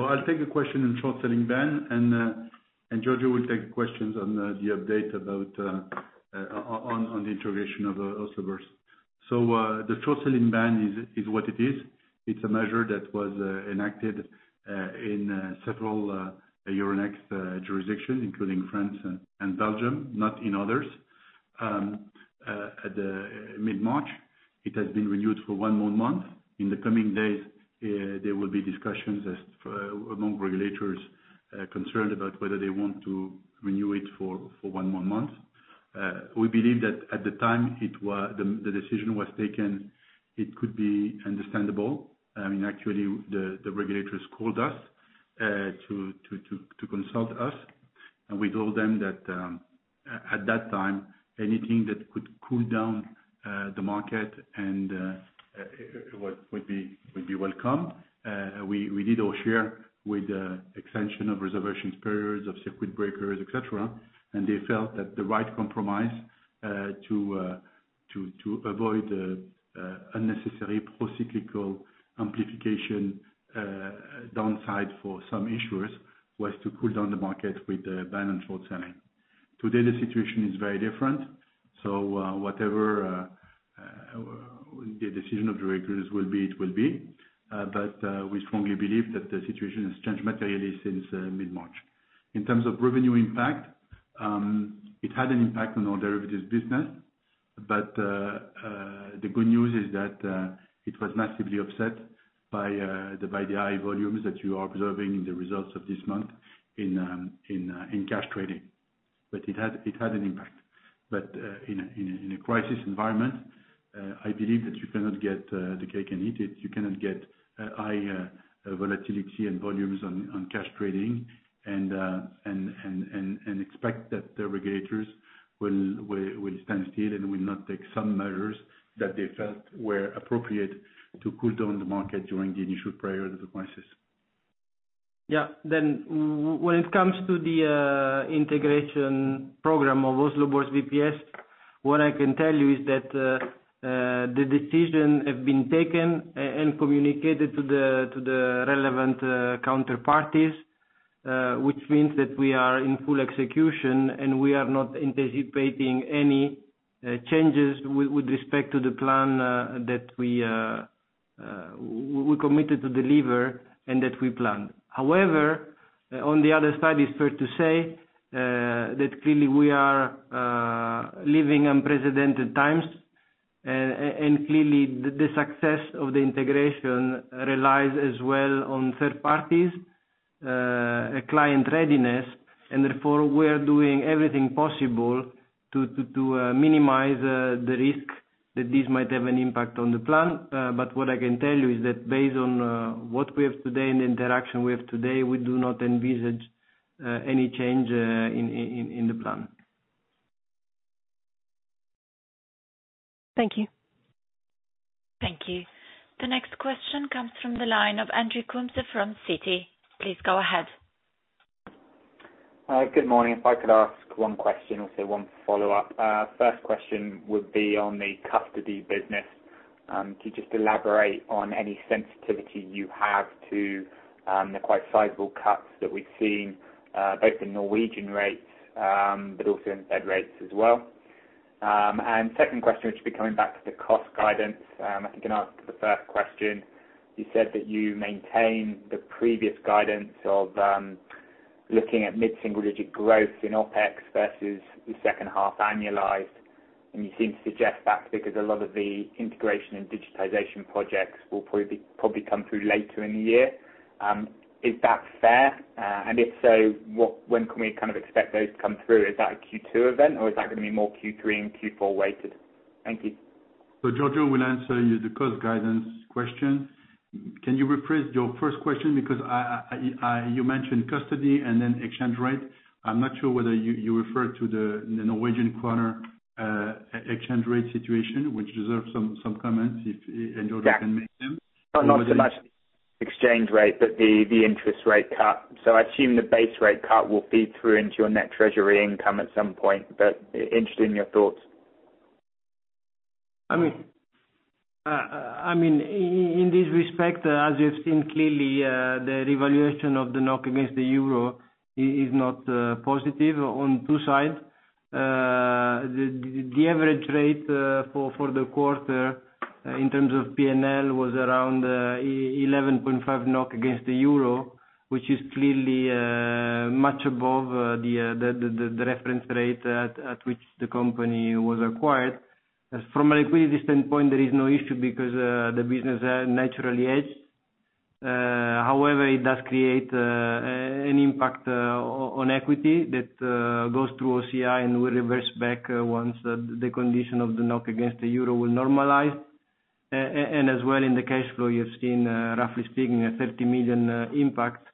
I'll take the question on short selling ban, and Giorgio will take questions on the update on the integration of Oslo Børs. The short selling ban is what it is. It's a measure that was enacted in several Euronext jurisdictions, including France and Belgium, not in others. At mid-March, it has been renewed for one more month. In the coming days, there will be discussions among regulators concerned about whether they want to renew it for one more month. We believe that at the time the decision was taken, it could be understandable. Actually, the regulators called us to consult us, and we told them that at that time, anything that could cool down the market would be welcome. We did our share with the extension of reservations periods, of circuit breakers, et cetera, and they felt that the right compromise to avoid unnecessary procyclical amplification downside for some issuers was to cool down the market with a ban on short selling. Today, the situation is very different. Whatever the decision of the regulators will be, it will be. We strongly believe that the situation has changed materially since mid-March. In terms of revenue impact, it had an impact on our derivatives business, but the good news is that it was massively offset by the high volumes that you are observing in the results of this month in cash trading. It had an impact. In a crisis environment, I believe that you cannot get the cake and eat it. You cannot get high volatility and volumes on cash trading and expect that the regulators will stand still and will not take some measures that they felt were appropriate to cool down the market during the initial period of the crisis.
Yeah. When it comes to the integration program of Oslo Børs VPS, what I can tell you is that the decision have been taken and communicated to the relevant counterparties, which means that we are in full execution, and we are not anticipating any changes with respect to the plan that we committed to deliver and that we planned. On the other side, it's fair to say that clearly we are living unprecedented times, and clearly the success of the integration relies as well on third parties, client readiness, and therefore we are doing everything possible to minimize the risk that this might have an impact on the plan. What I can tell you is that based on what we have today and the interaction we have today, we do not envisage any change in the plan.
Thank you.
Thank you. The next question comes from the line of Andrew Coombs from Citi. Please go ahead
Hi, good morning. If I could ask one question, also one follow-up. First question would be on the custody business. Could you just elaborate on any sensitivity you have to the quite sizable cuts that we've seen, both in Norwegian rates, but also in Fed rates as well? Second question, which will be coming back to the cost guidance. I think in answer to the first question, you said that you maintain the previous guidance of looking at mid-single digit growth in OpEx versus the second half annualized, and you seem to suggest that because a lot of the integration and digitization projects will probably come through later in the year. Is that fair? If so, when can we expect those to come through? Is that a Q2 event, or is that going to be more Q3 and Q4 weighted? Thank you.
Giorgio will answer you the cost guidance question. Can you rephrase your first question? Because you mentioned custody and then exchange rate. I am not sure whether you referred to the Norwegian kroner exchange rate situation, which deserves some comments, and Giorgio can make them.
Yeah. No, not so much exchange rate, but the interest rate cut. I assume the base rate cut will feed through into your net treasury income at some point. Interested in your thoughts.
In this respect, as you've seen clearly, the revaluation of the NOK against the euro is not positive on two sides. The average rate for the quarter in terms of P&L was around 11.5 NOK against the euro, which is clearly much above the reference rate at which the company was acquired. From a liquidity standpoint, there is no issue because the business naturally hedges. However, it does create an impact on equity that goes through OCI and will reverse back once the condition of the NOK against the euro will normalize. As well, in the cash flow, you've seen, roughly speaking, a 30 million impact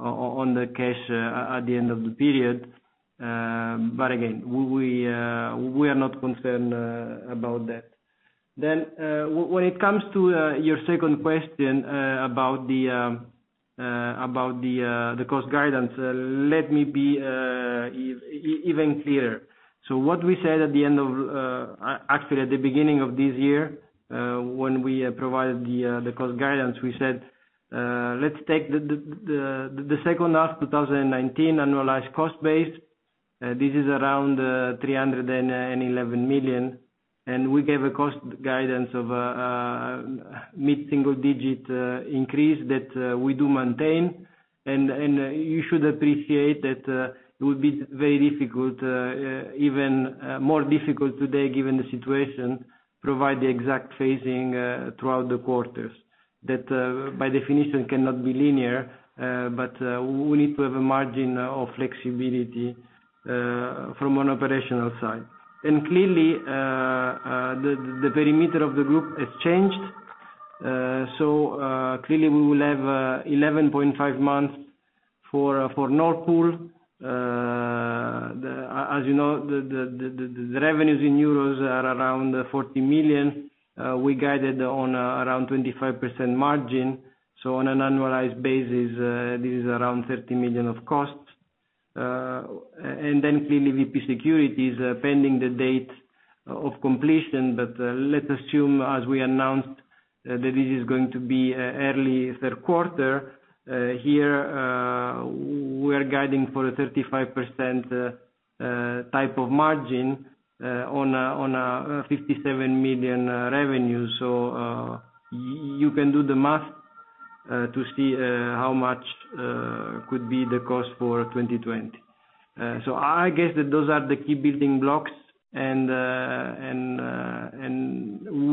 on the cash at the end of the period. Again, we are not concerned about that. When it comes to your second question about the cost guidance, let me be even clearer. What we said at the beginning of this year, when we provided the cost guidance, we said, let's take the second half 2019 annualized cost base. This is around 311 million, and we gave a cost guidance of a mid-single digit increase that we do maintain. You should appreciate that it would be very difficult, even more difficult today, given the situation, to provide the exact phasing throughout the quarters. That by definition cannot be linear, but we need to have a margin of flexibility from an operational side. Clearly, the perimeter of the group has changed. Clearly we will have 11.5 months for Nord Pool. As you know, the revenues in EUR are around 40 million. We guided on around 25% margin. On an annualized basis, this is around 30 million of costs. Clearly, VP Securities, pending the date of completion, but let's assume, as we announced, that this is going to be early third quarter. Here, we're guiding for a 35% type of margin on a 57 million revenue. You can do the math to see how much could be the cost for 2020. I guess that those are the key building blocks, and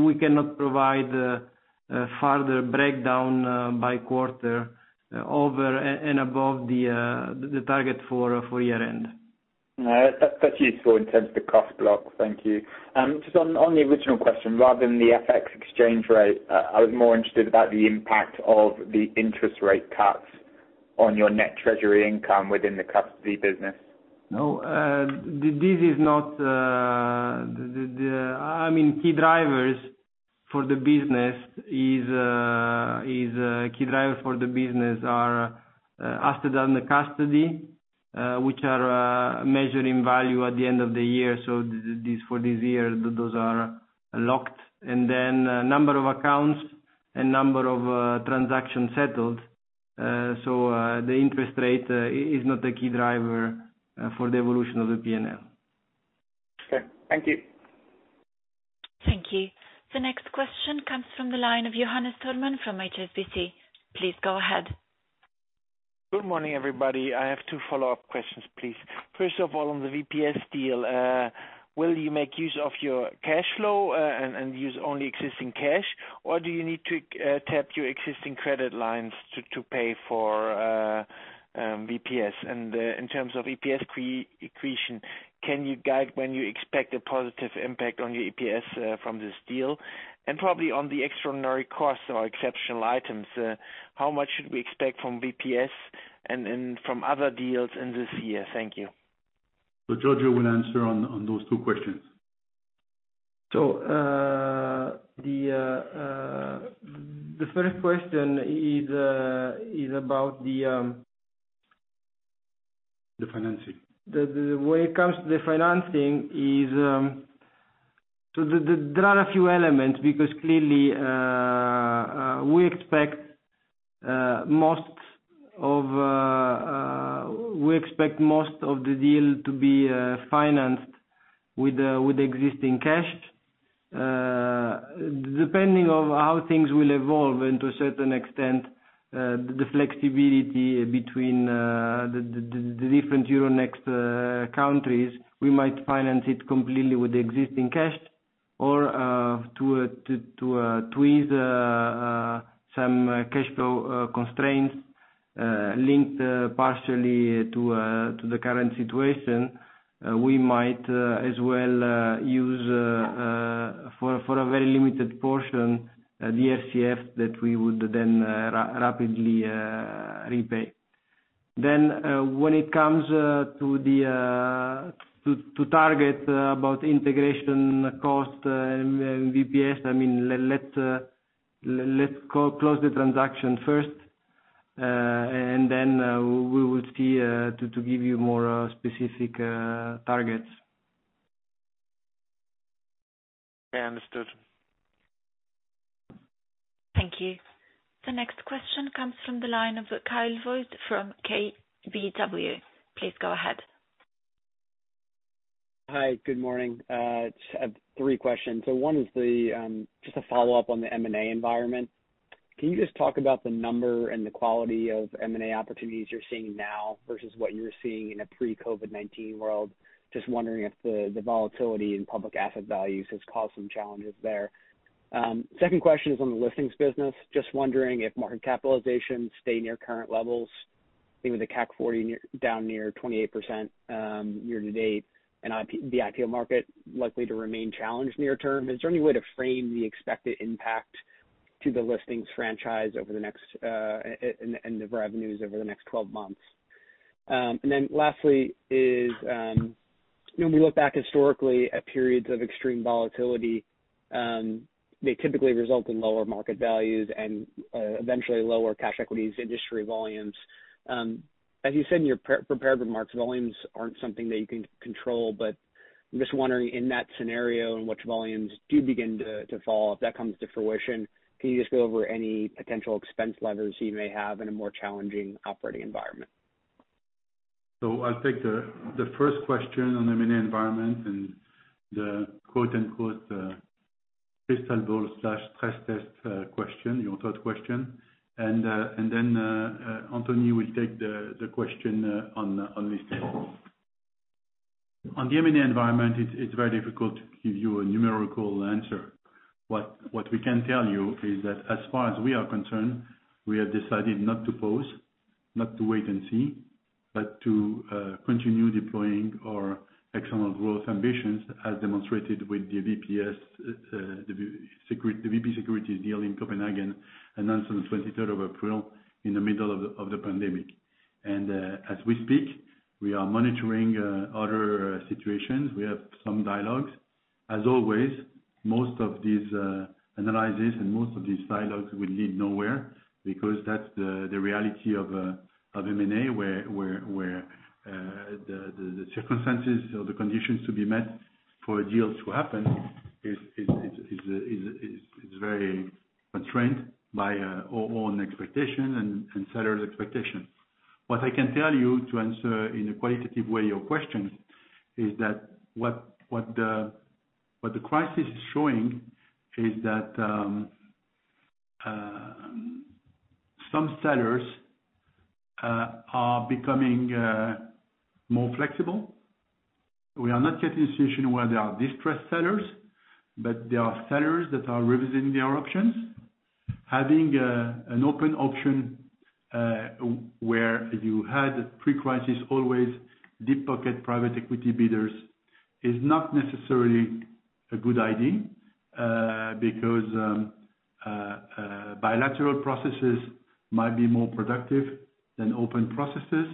we cannot provide a further breakdown by quarter over and above the target for year end.
No, that's useful in terms of the cost block. Thank you. Just on the original question, rather than the FX exchange rate, I was more interested about the impact of the interest rate cuts on your net treasury income within the custody business.
No. Key drivers for the business are assets under custody, which are measured in value at the end of the year. For this year, those are locked. Number of accounts and number of transactions settled. The interest rate is not a key driver for the evolution of the P&L.
Okay. Thank you.
Thank you. The next question comes from the line of Johannes Thormann from HSBC. Please go ahead.
Good morning, everybody. I have two follow-up questions, please. First of all, on the VPS deal, will you make use of your cash flow and use only existing cash, or do you need to tap your existing credit lines to pay for VPS? In terms of EPS accretion, can you guide when you expect a positive impact on your EPS from this deal? Probably on the extraordinary costs or exceptional items, how much should we expect from VPS and from other deals in this year? Thank you.
Giorgio will answer on those two questions.
The first question is about.
The financing.
When it comes to the financing, there are a few elements because clearly, we expect most of the deal to be financed with existing cash. Depending on how things will evolve and to a certain extent, the flexibility between the different Euronext countries, we might finance it completely with existing cash, or to ease some cash flow constraints linked partially to the current situation, we might as well use, for a very limited portion, the RCF that we would then rapidly repay. When it comes to target about integration cost and VPS, let's close the transaction first, and then we will see to give you more specific targets.
Okay. Understood.
Thank you. The next question comes from the line of Kyle Voigt from KBW. Please go ahead.
Hi. Good morning. Just three questions. One is just a follow-up on the M&A environment. Can you just talk about the number and the quality of M&A opportunities you're seeing now versus what you were seeing in a pre-COVID-19 world? Just wondering if the volatility in public asset values has caused some challenges there. Second question is on the listings business. Just wondering if market capitalization stay near current levels, maybe with the CAC 40 down near 28% year-to-date, and the IPO market likely to remain challenged near-term. Is there any way to frame the expected impact to the listings franchise and the revenues over the next 12 months? Lastly is, when we look back historically at periods of extreme volatility, they typically result in lower market values and eventually lower cash equities industry volumes. As you said in your prepared remarks, volumes aren't something that you can control. I'm just wondering, in that scenario, in which volumes do begin to fall, if that comes to fruition, can you just go over any potential expense levers you may have in a more challenging operating environment?
I'll take the first question on the M&A environment and the "crystal ball/stress test" question, your third question, and then Anthony will take the question on listings. On the M&A environment, it's very difficult to give you a numerical answer. What we can tell you is that as far as we are concerned, we have decided not to pause, not to wait and see, but to continue deploying our external growth ambitions as demonstrated with the VPS, the VP Securities deal in Copenhagen, announced on the 23rd of April in the middle of the pandemic. As we speak, we are monitoring other situations. We have some dialogues. As always, most of these analyses and most of these dialogues will lead nowhere because that's the reality of M&A, where the circumstances or the conditions to be met for a deal to happen is very constrained by our own expectation and sellers' expectation. What I can tell you to answer in a qualitative way your question, is that what the crisis is showing is that some sellers are becoming more flexible. We are not yet in a situation where there are distressed sellers, there are sellers that are revisiting their options. Having an open option, where you had pre-crisis, always deep-pocket private equity bidders, is not necessarily a good idea. Bilateral processes might be more productive than open processes,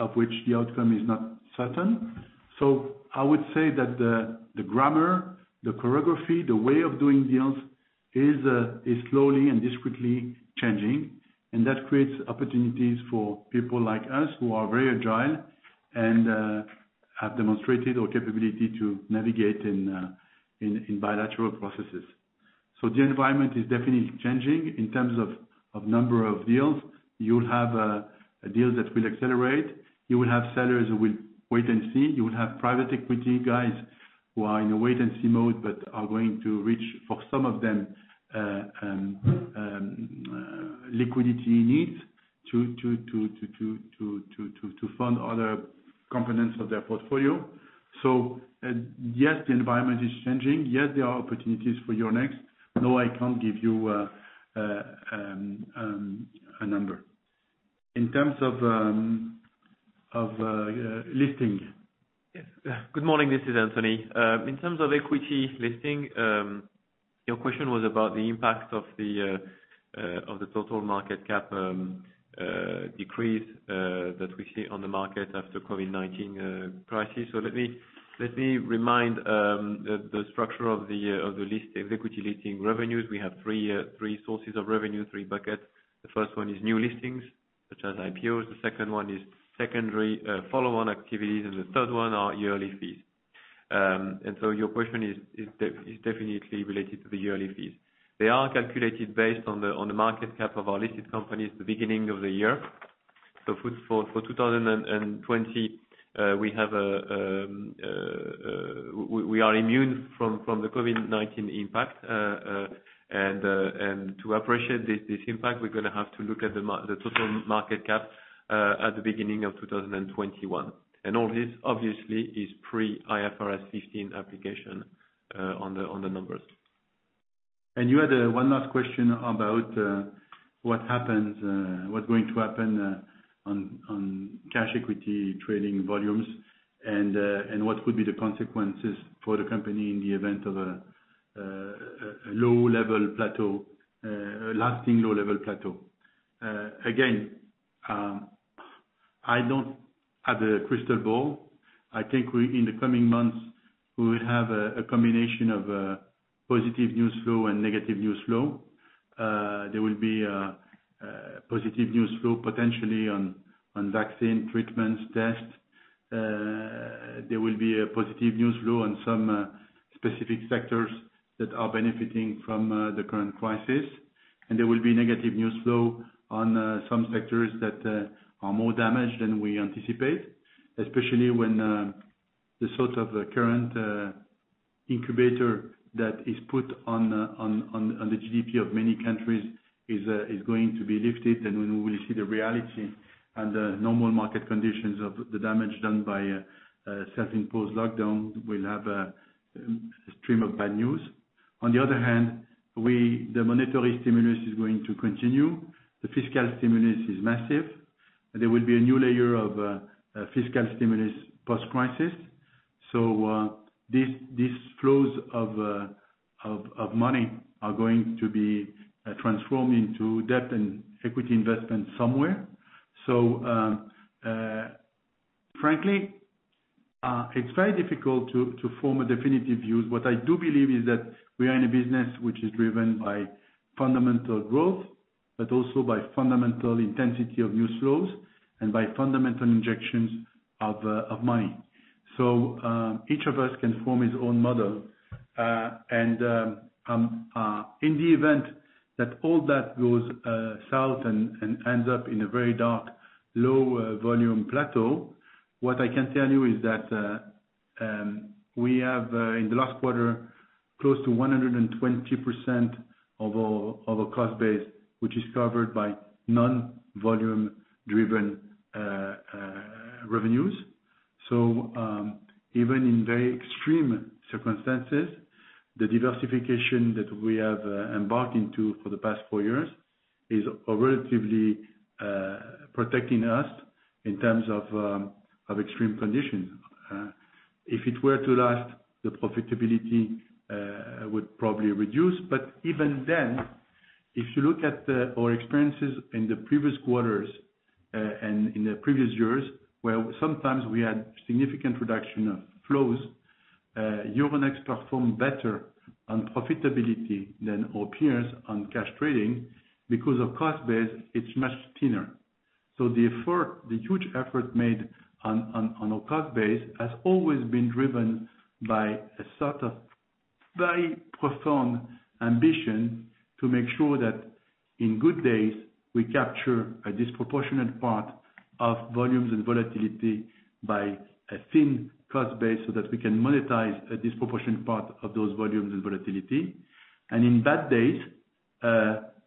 of which the outcome is not certain. I would say that the grammar, the choreography, the way of doing deals is slowly and discreetly changing, and that creates opportunities for people like us who are very agile and have demonstrated our capability to navigate in bilateral processes. The environment is definitely changing in terms of number of deals. You'll have deals that will accelerate. You will have sellers who will wait and see. You will have private equity guys who are in a wait-and-see mode, but are going to reach, for some of them, liquidity needs to fund other components of their portfolio. Yes, the environment is changing. Yes, there are opportunities for Euronext. No, I can't give you a number in terms of listing.
Yes. Good morning. This is Anthony. In terms of equity listing- Your question was about the impact of the total market cap decrease that we see on the market after COVID-19 crisis. Let me remind the structure of the equity listing revenues. We have three sources of revenue, three buckets. The first one is new listings, such as IPOs, the second one is secondary follow-on activities, and the third one are yearly fees. Your question is definitely related to the yearly fees. They are calculated based on the market cap of our listed companies at the beginning of the year. For 2020, we are immune from the COVID-19 impact. To appreciate this impact, we're going to have to look at the total market cap at the beginning of 2021. All this obviously is pre-IFRS 15 application on the numbers.
You had one last question about what's going to happen on cash equity trading volumes and what could be the consequences for the company in the event of a lasting low-level plateau. Again, I don't have a crystal ball. I think in the coming months, we will have a combination of positive news flow and negative news flow. There will be a positive news flow potentially on vaccine treatments, tests. There will be a positive news flow on some specific sectors that are benefiting from the current crisis, and there will be negative news flow on some sectors that are more damaged than we anticipate, especially when the sort of current incubator that is put on the GDP of many countries is going to be lifted, and we will see the reality and the normal market conditions of the damage done by a self-imposed lockdown. We'll have a stream of bad news. On the other hand, the monetary stimulus is going to continue. The fiscal stimulus is massive. There will be a new layer of fiscal stimulus post-crisis. These flows of money are going to be transformed into debt and equity investment somewhere. Frankly, it's very difficult to form a definitive view. What I do believe is that we are in a business which is driven by fundamental growth, but also by fundamental intensity of news flows and by fundamental injections of money. Each of us can form his own model. In the event that all that goes south and ends up in a very dark, low-volume plateau, what I can tell you is we have, in the last quarter, close to 120% of our cost base, which is covered by non-volume-driven revenues. Even in very extreme circumstances, the diversification that we have embarked into for the past four years is relatively protecting us in terms of extreme conditions. If it were to last, the profitability would probably reduce. Even then, if you look at our experiences in the previous quarters and in the previous years, where sometimes we had significant reduction of flows, Euronext performed better on profitability than our peers on cash trading because our cost base, it's much thinner. The huge effort made on our cost base has always been driven by a sort of very profound ambition to make sure that in good days, we capture a disproportionate part of volumes and volatility by a thin cost base so that we can monetize a disproportionate part of those volumes and volatility. In bad days,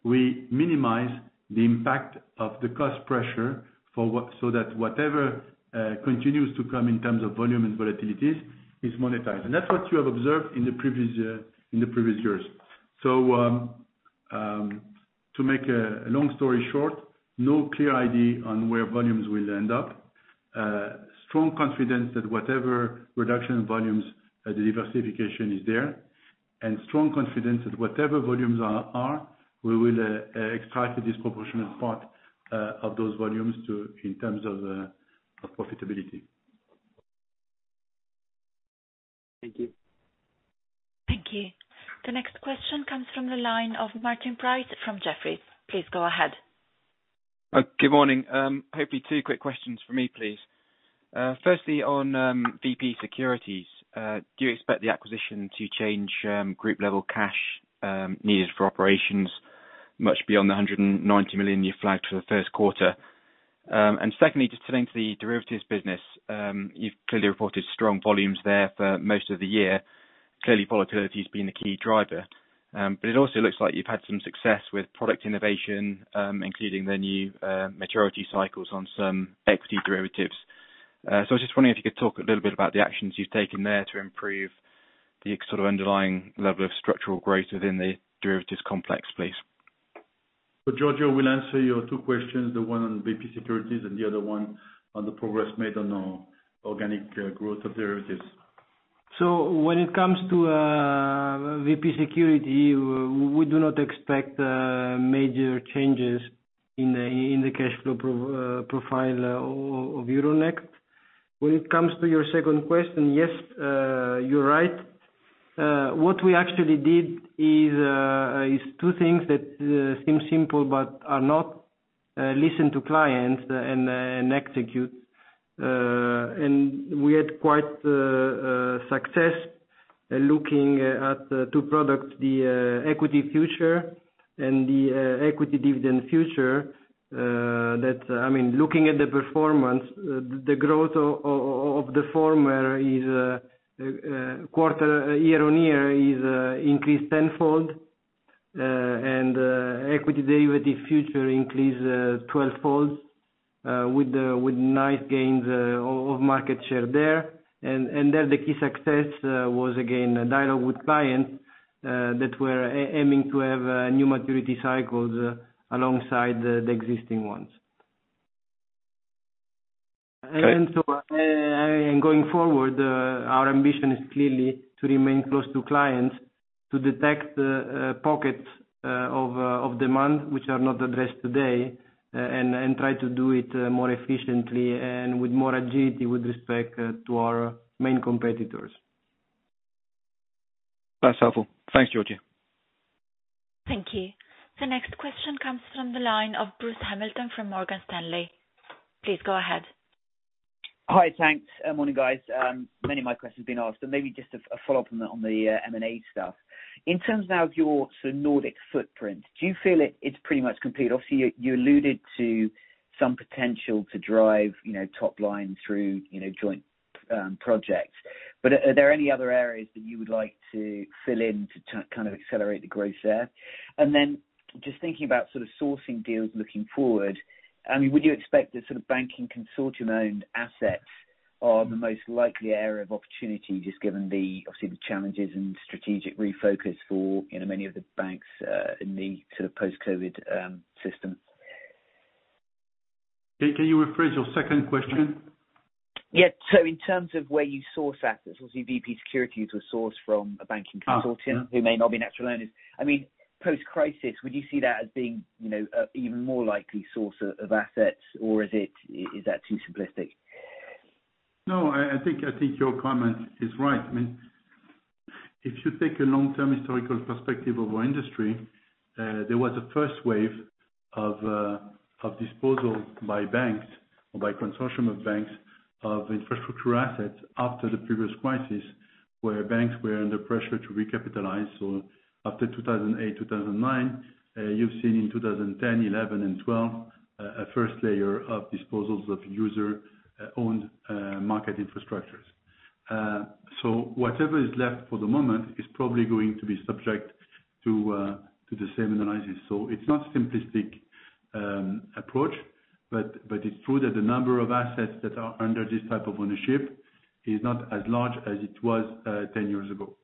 we minimize the impact of the cost pressure so that whatever continues to come in terms of volume and volatilities is monetized. That's what you have observed in the previous years. To make a long story short, no clear idea on where volumes will end up. Strong confidence that whatever reduction in volumes, the diversification is there, and strong confidence that whatever volumes are, we will extract a disproportionate part of those volumes in terms of profitability.
Thank you.
Thank you. The next question comes from the line of Martin Price from Jefferies. Please go ahead.
Good morning. Hopefully two quick questions from me, please. Firstly, on VP Securities, do you expect the acquisition to change group-level cash needed for operations much beyond the 190 million you flagged for the first quarter? Secondly, just turning to the derivatives business. You've clearly reported strong volumes there for most of the year. Clearly, volatility has been the key driver. It also looks like you've had some success with product innovation, including the new maturity cycles on some equity derivatives. I was just wondering if you could talk a little bit about the actions you've taken there to improve the sort of underlying level of structural growth within the derivatives complex, please.
Giorgio will answer your two questions, the one on VP Securities and the other one on the progress made on our organic growth of derivatives.
When it comes to VP Securities, we do not expect major changes in the cash flow profile of Euronext. When it comes to your second question, yes, you're right. What we actually did is two things that seem simple but are not, listen to clients and execute. We had quite success looking at two products, the equity future and the equity dividend future. I mean, looking at the performance, the growth of the former year on year is increased tenfold. Equity dividend future increased twelvefold, with nice gains of market share there. There, the key success was again, dialogue with clients that were aiming to have new maturity cycles alongside the existing ones.
Great.
Going forward, our ambition is clearly to remain close to clients to detect pockets of demand which are not addressed today, and try to do it more efficiently and with more agility with respect to our main competitors.
That's helpful. Thanks, Giorgio.
Thank you. The next question comes from the line of Bruce Hamilton from Morgan Stanley. Please go ahead.
Hi, thanks. Morning, guys. Many of my questions have been asked, maybe just a follow-up on the M&A stuff. In terms now of your sort of Nordic footprint, do you feel it's pretty much complete? Obviously, you alluded to some potential to drive top line through joint projects. Are there any other areas that you would like to fill in to kind of accelerate the growth there? Just thinking about sort of sourcing deals looking forward, I mean, would you expect the sort of banking consortium-owned assets are the most likely area of opportunity, just given obviously the challenges and strategic refocus for many of the banks in the sort of post-COVID system?
Can you rephrase your second question?
Yeah. In terms of where you source assets, obviously VP Securities was sourced from a banking consortium.
Yeah.
who may not be natural owners. I mean, post-crisis, would you see that as being an even more likely source of assets or is that too simplistic?
No, I think your comment is right. I mean, if you take a long-term historical perspective of our industry, there was a first wave of disposal by banks or by consortium of banks of infrastructure assets after the previous crisis, where banks were under pressure to recapitalize. After 2008, 2009, you've seen in 2010, 2011, and 2012, a first layer of disposals of user-owned market infrastructures. Whatever is left for the moment is probably going to be subject to the same analysis. It's not simplistic approach, but it's true that the number of assets that are under this type of ownership is not as large as it was 10 years ago.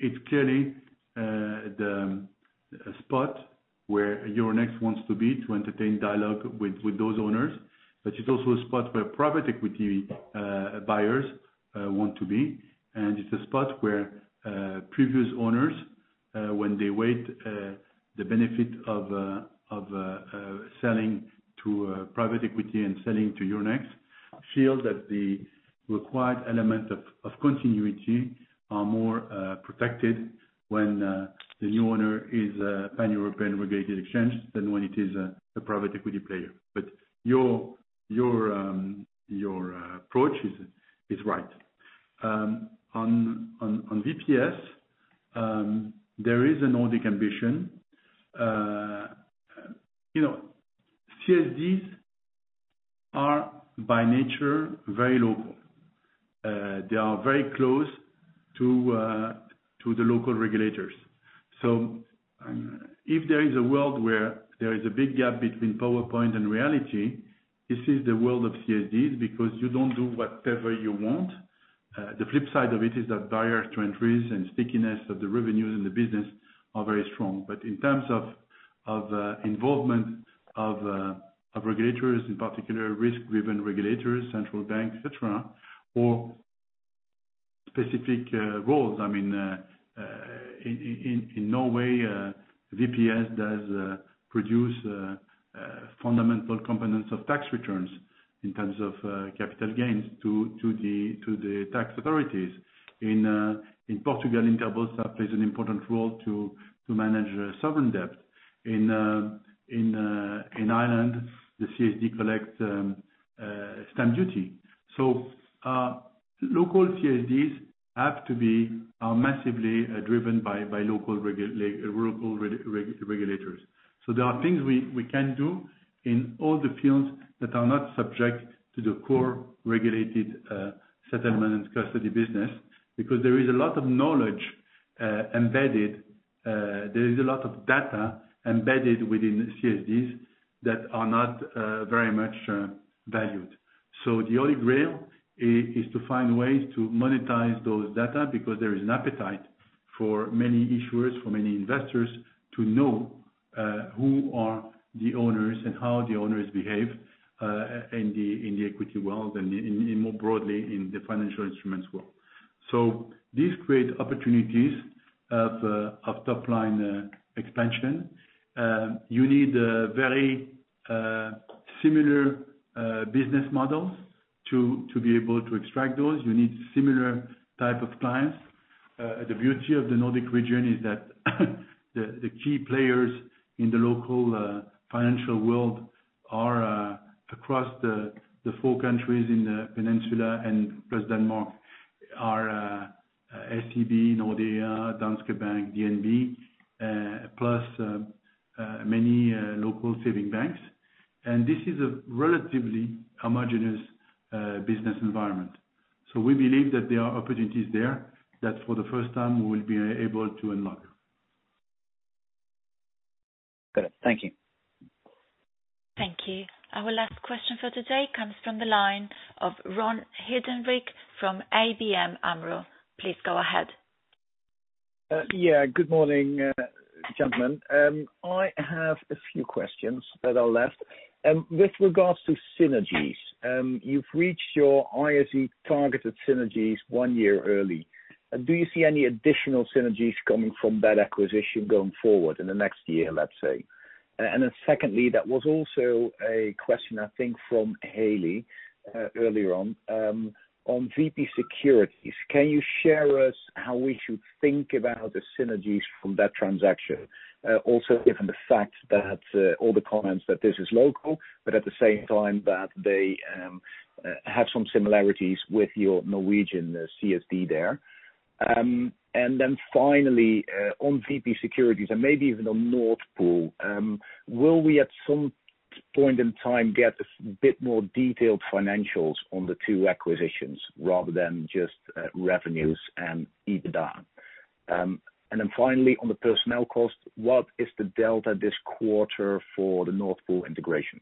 It's clearly the spot where Euronext wants to be to entertain dialogue with those owners. It's also a spot where private equity buyers want to be, and it's a spot where previous owners, when they weigh the benefit of selling to private equity and selling to Euronext, feel that the required element of continuity are more protected when the new owner is a pan-European regulated exchange than when it is a private equity player. Your approach is right. On VPS, there is a Nordic ambition. CSDs are by nature very local. They are very close to the local regulators. If there is a world where there is a big gap between PowerPoint and reality, this is the world of CSDs because you don't do whatever you want. The flip side of it is that barriers to entries and stickiness of the revenues in the business are very strong. In terms of involvement of regulators, in particular risk-driven regulators, central banks, et cetera, or specific roles. I mean, in Norway, VPS does produce fundamental components of tax returns in terms of capital gains to the tax authorities. In Portugal, Interbolsa plays an important role to manage sovereign debt. In Ireland, the CSD collects stamp duty. Local CSDs have to be massively driven by local regulators. There are things we can do in all the fields that are not subject to the core regulated settlement and custody business because there is a lot of knowledge embedded, there is a lot of data embedded within CSDs that are not very much valued. The holy grail is to find ways to monetize those data, because there is an appetite for many issuers, for many investors, to know who are the owners and how the owners behave in the equity world and more broadly in the financial instruments world. These create opportunities of top-line expansion. You need very similar business models to be able to extract those. You need similar type of clients. The beauty of the Nordic region is that the key players in the local financial world are across the four countries in the peninsula, and plus Denmark, are SEB, Nordea, Danske Bank, DNB, plus many local saving banks. This is a relatively homogeneous business environment. We believe that there are opportunities there, that for the first time we will be able to unlock.
Got it. Thank you.
Thank you. Our last question for today comes from the line of Ron Huidenberg from ABN AMRO. Please go ahead.
Good morning, gentlemen. I have a few questions that are left. With regards to synergies, you've reached your ISE targeted synergies one year early. Do you see any additional synergies coming from that acquisition going forward in the next year, let's say? Secondly, that was also a question I think from Haley earlier on VP Securities. Can you share us how we should think about the synergies from that transaction? Also given the fact that all the comments that this is local, but at the same time that they have some similarities with your Norwegian CSD there. Finally, on VP Securities and maybe even on Nord Pool, will we, at some point in time, get a bit more detailed financials on the two acquisitions rather than just revenues and EBITDA? Then finally on the personnel cost, what is the delta this quarter for the Nord Pool integration?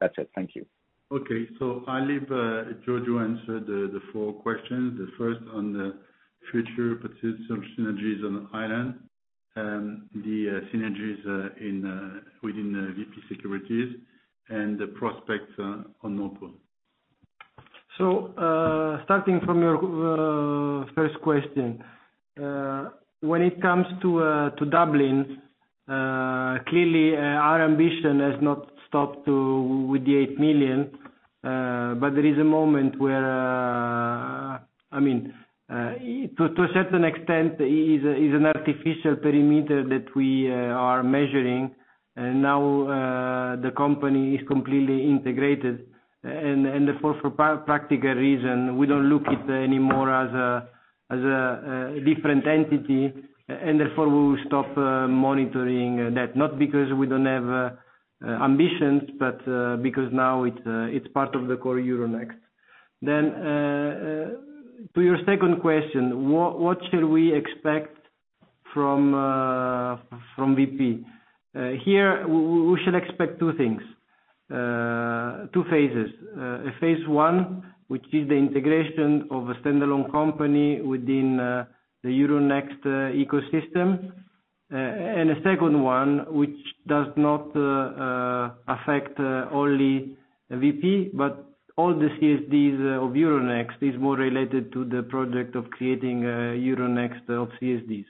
That's it. Thank you.
Okay. I'll leave Giorgio answer the four questions. The first on the future participation synergies on Ireland, the synergies within VP Securities, and the prospects on Nord Pool.
Starting from your first question. When it comes to Euronext Dublin, clearly our ambition has not stopped with the 8 million. There is a moment where to a certain extent is an artificial perimeter that we are measuring, and now the company is completely integrated. Therefore for practical reason, we don't look it anymore as a different entity, and therefore we stop monitoring that. Not because we don't have ambitions, but because now it's part of the core Euronext. To your second question, what should we expect from VP Securities? Here, we should expect two things, two phases. A phase one, which is the integration of a standalone company within the Euronext ecosystem. A second one, which does not affect only VP Securities, but all the CSDs of Euronext is more related to the project of creating Euronext of CSDs.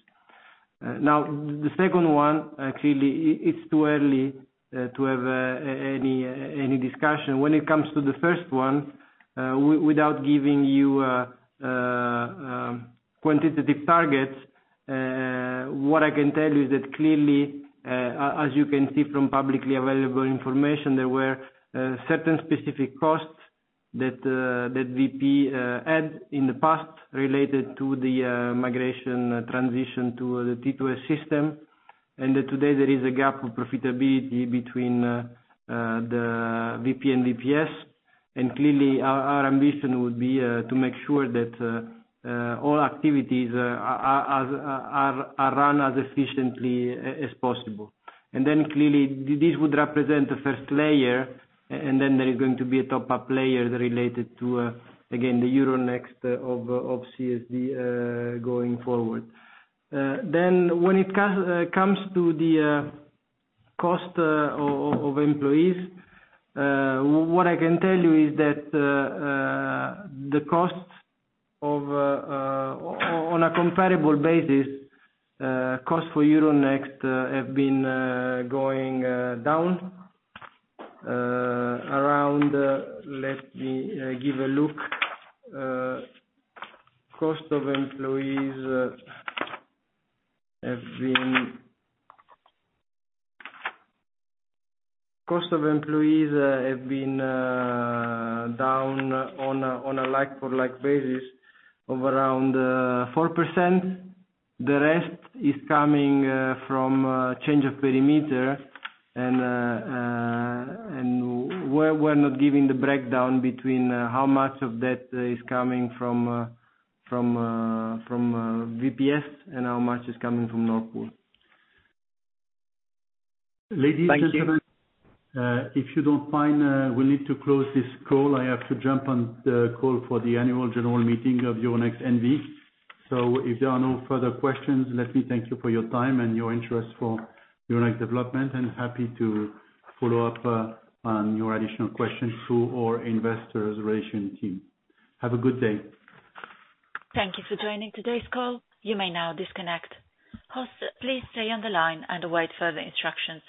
Clearly it's too early to have any discussion. When it comes to the first one, without giving you quantitative targets, what I can tell you is that clearly, as you can see from publicly available information, there were certain specific costs that VP had in the past related to the migration transition to the T2S system. Today there is a gap of profitability between the VP and VPS. Clearly our ambition would be to make sure that all activities are run as efficiently as possible. Clearly this would represent a first layer, and then there is going to be a top-up layer related to, again, the Euronext of CSD going forward. When it comes to the cost of employees, what I can tell you is that the costs on a comparable basis, Cost of employees have been down on a like-for-like basis of around 4%. The rest is coming from change of perimeter. We're not giving the breakdown between how much of that is coming from VPS and how much is coming from Nord Pool.
Thank you.
Ladies and gentlemen, if you don't mind, we need to close this call. I have to jump on the call for the annual general meeting of Euronext N.V. If there are no further questions, let me thank you for your time and your interest for Euronext development, and happy to follow up on your additional questions through our investor relation team. Have a good day.
Thank you for joining today's call. You may now disconnect. Host, please stay on the line and await further instructions.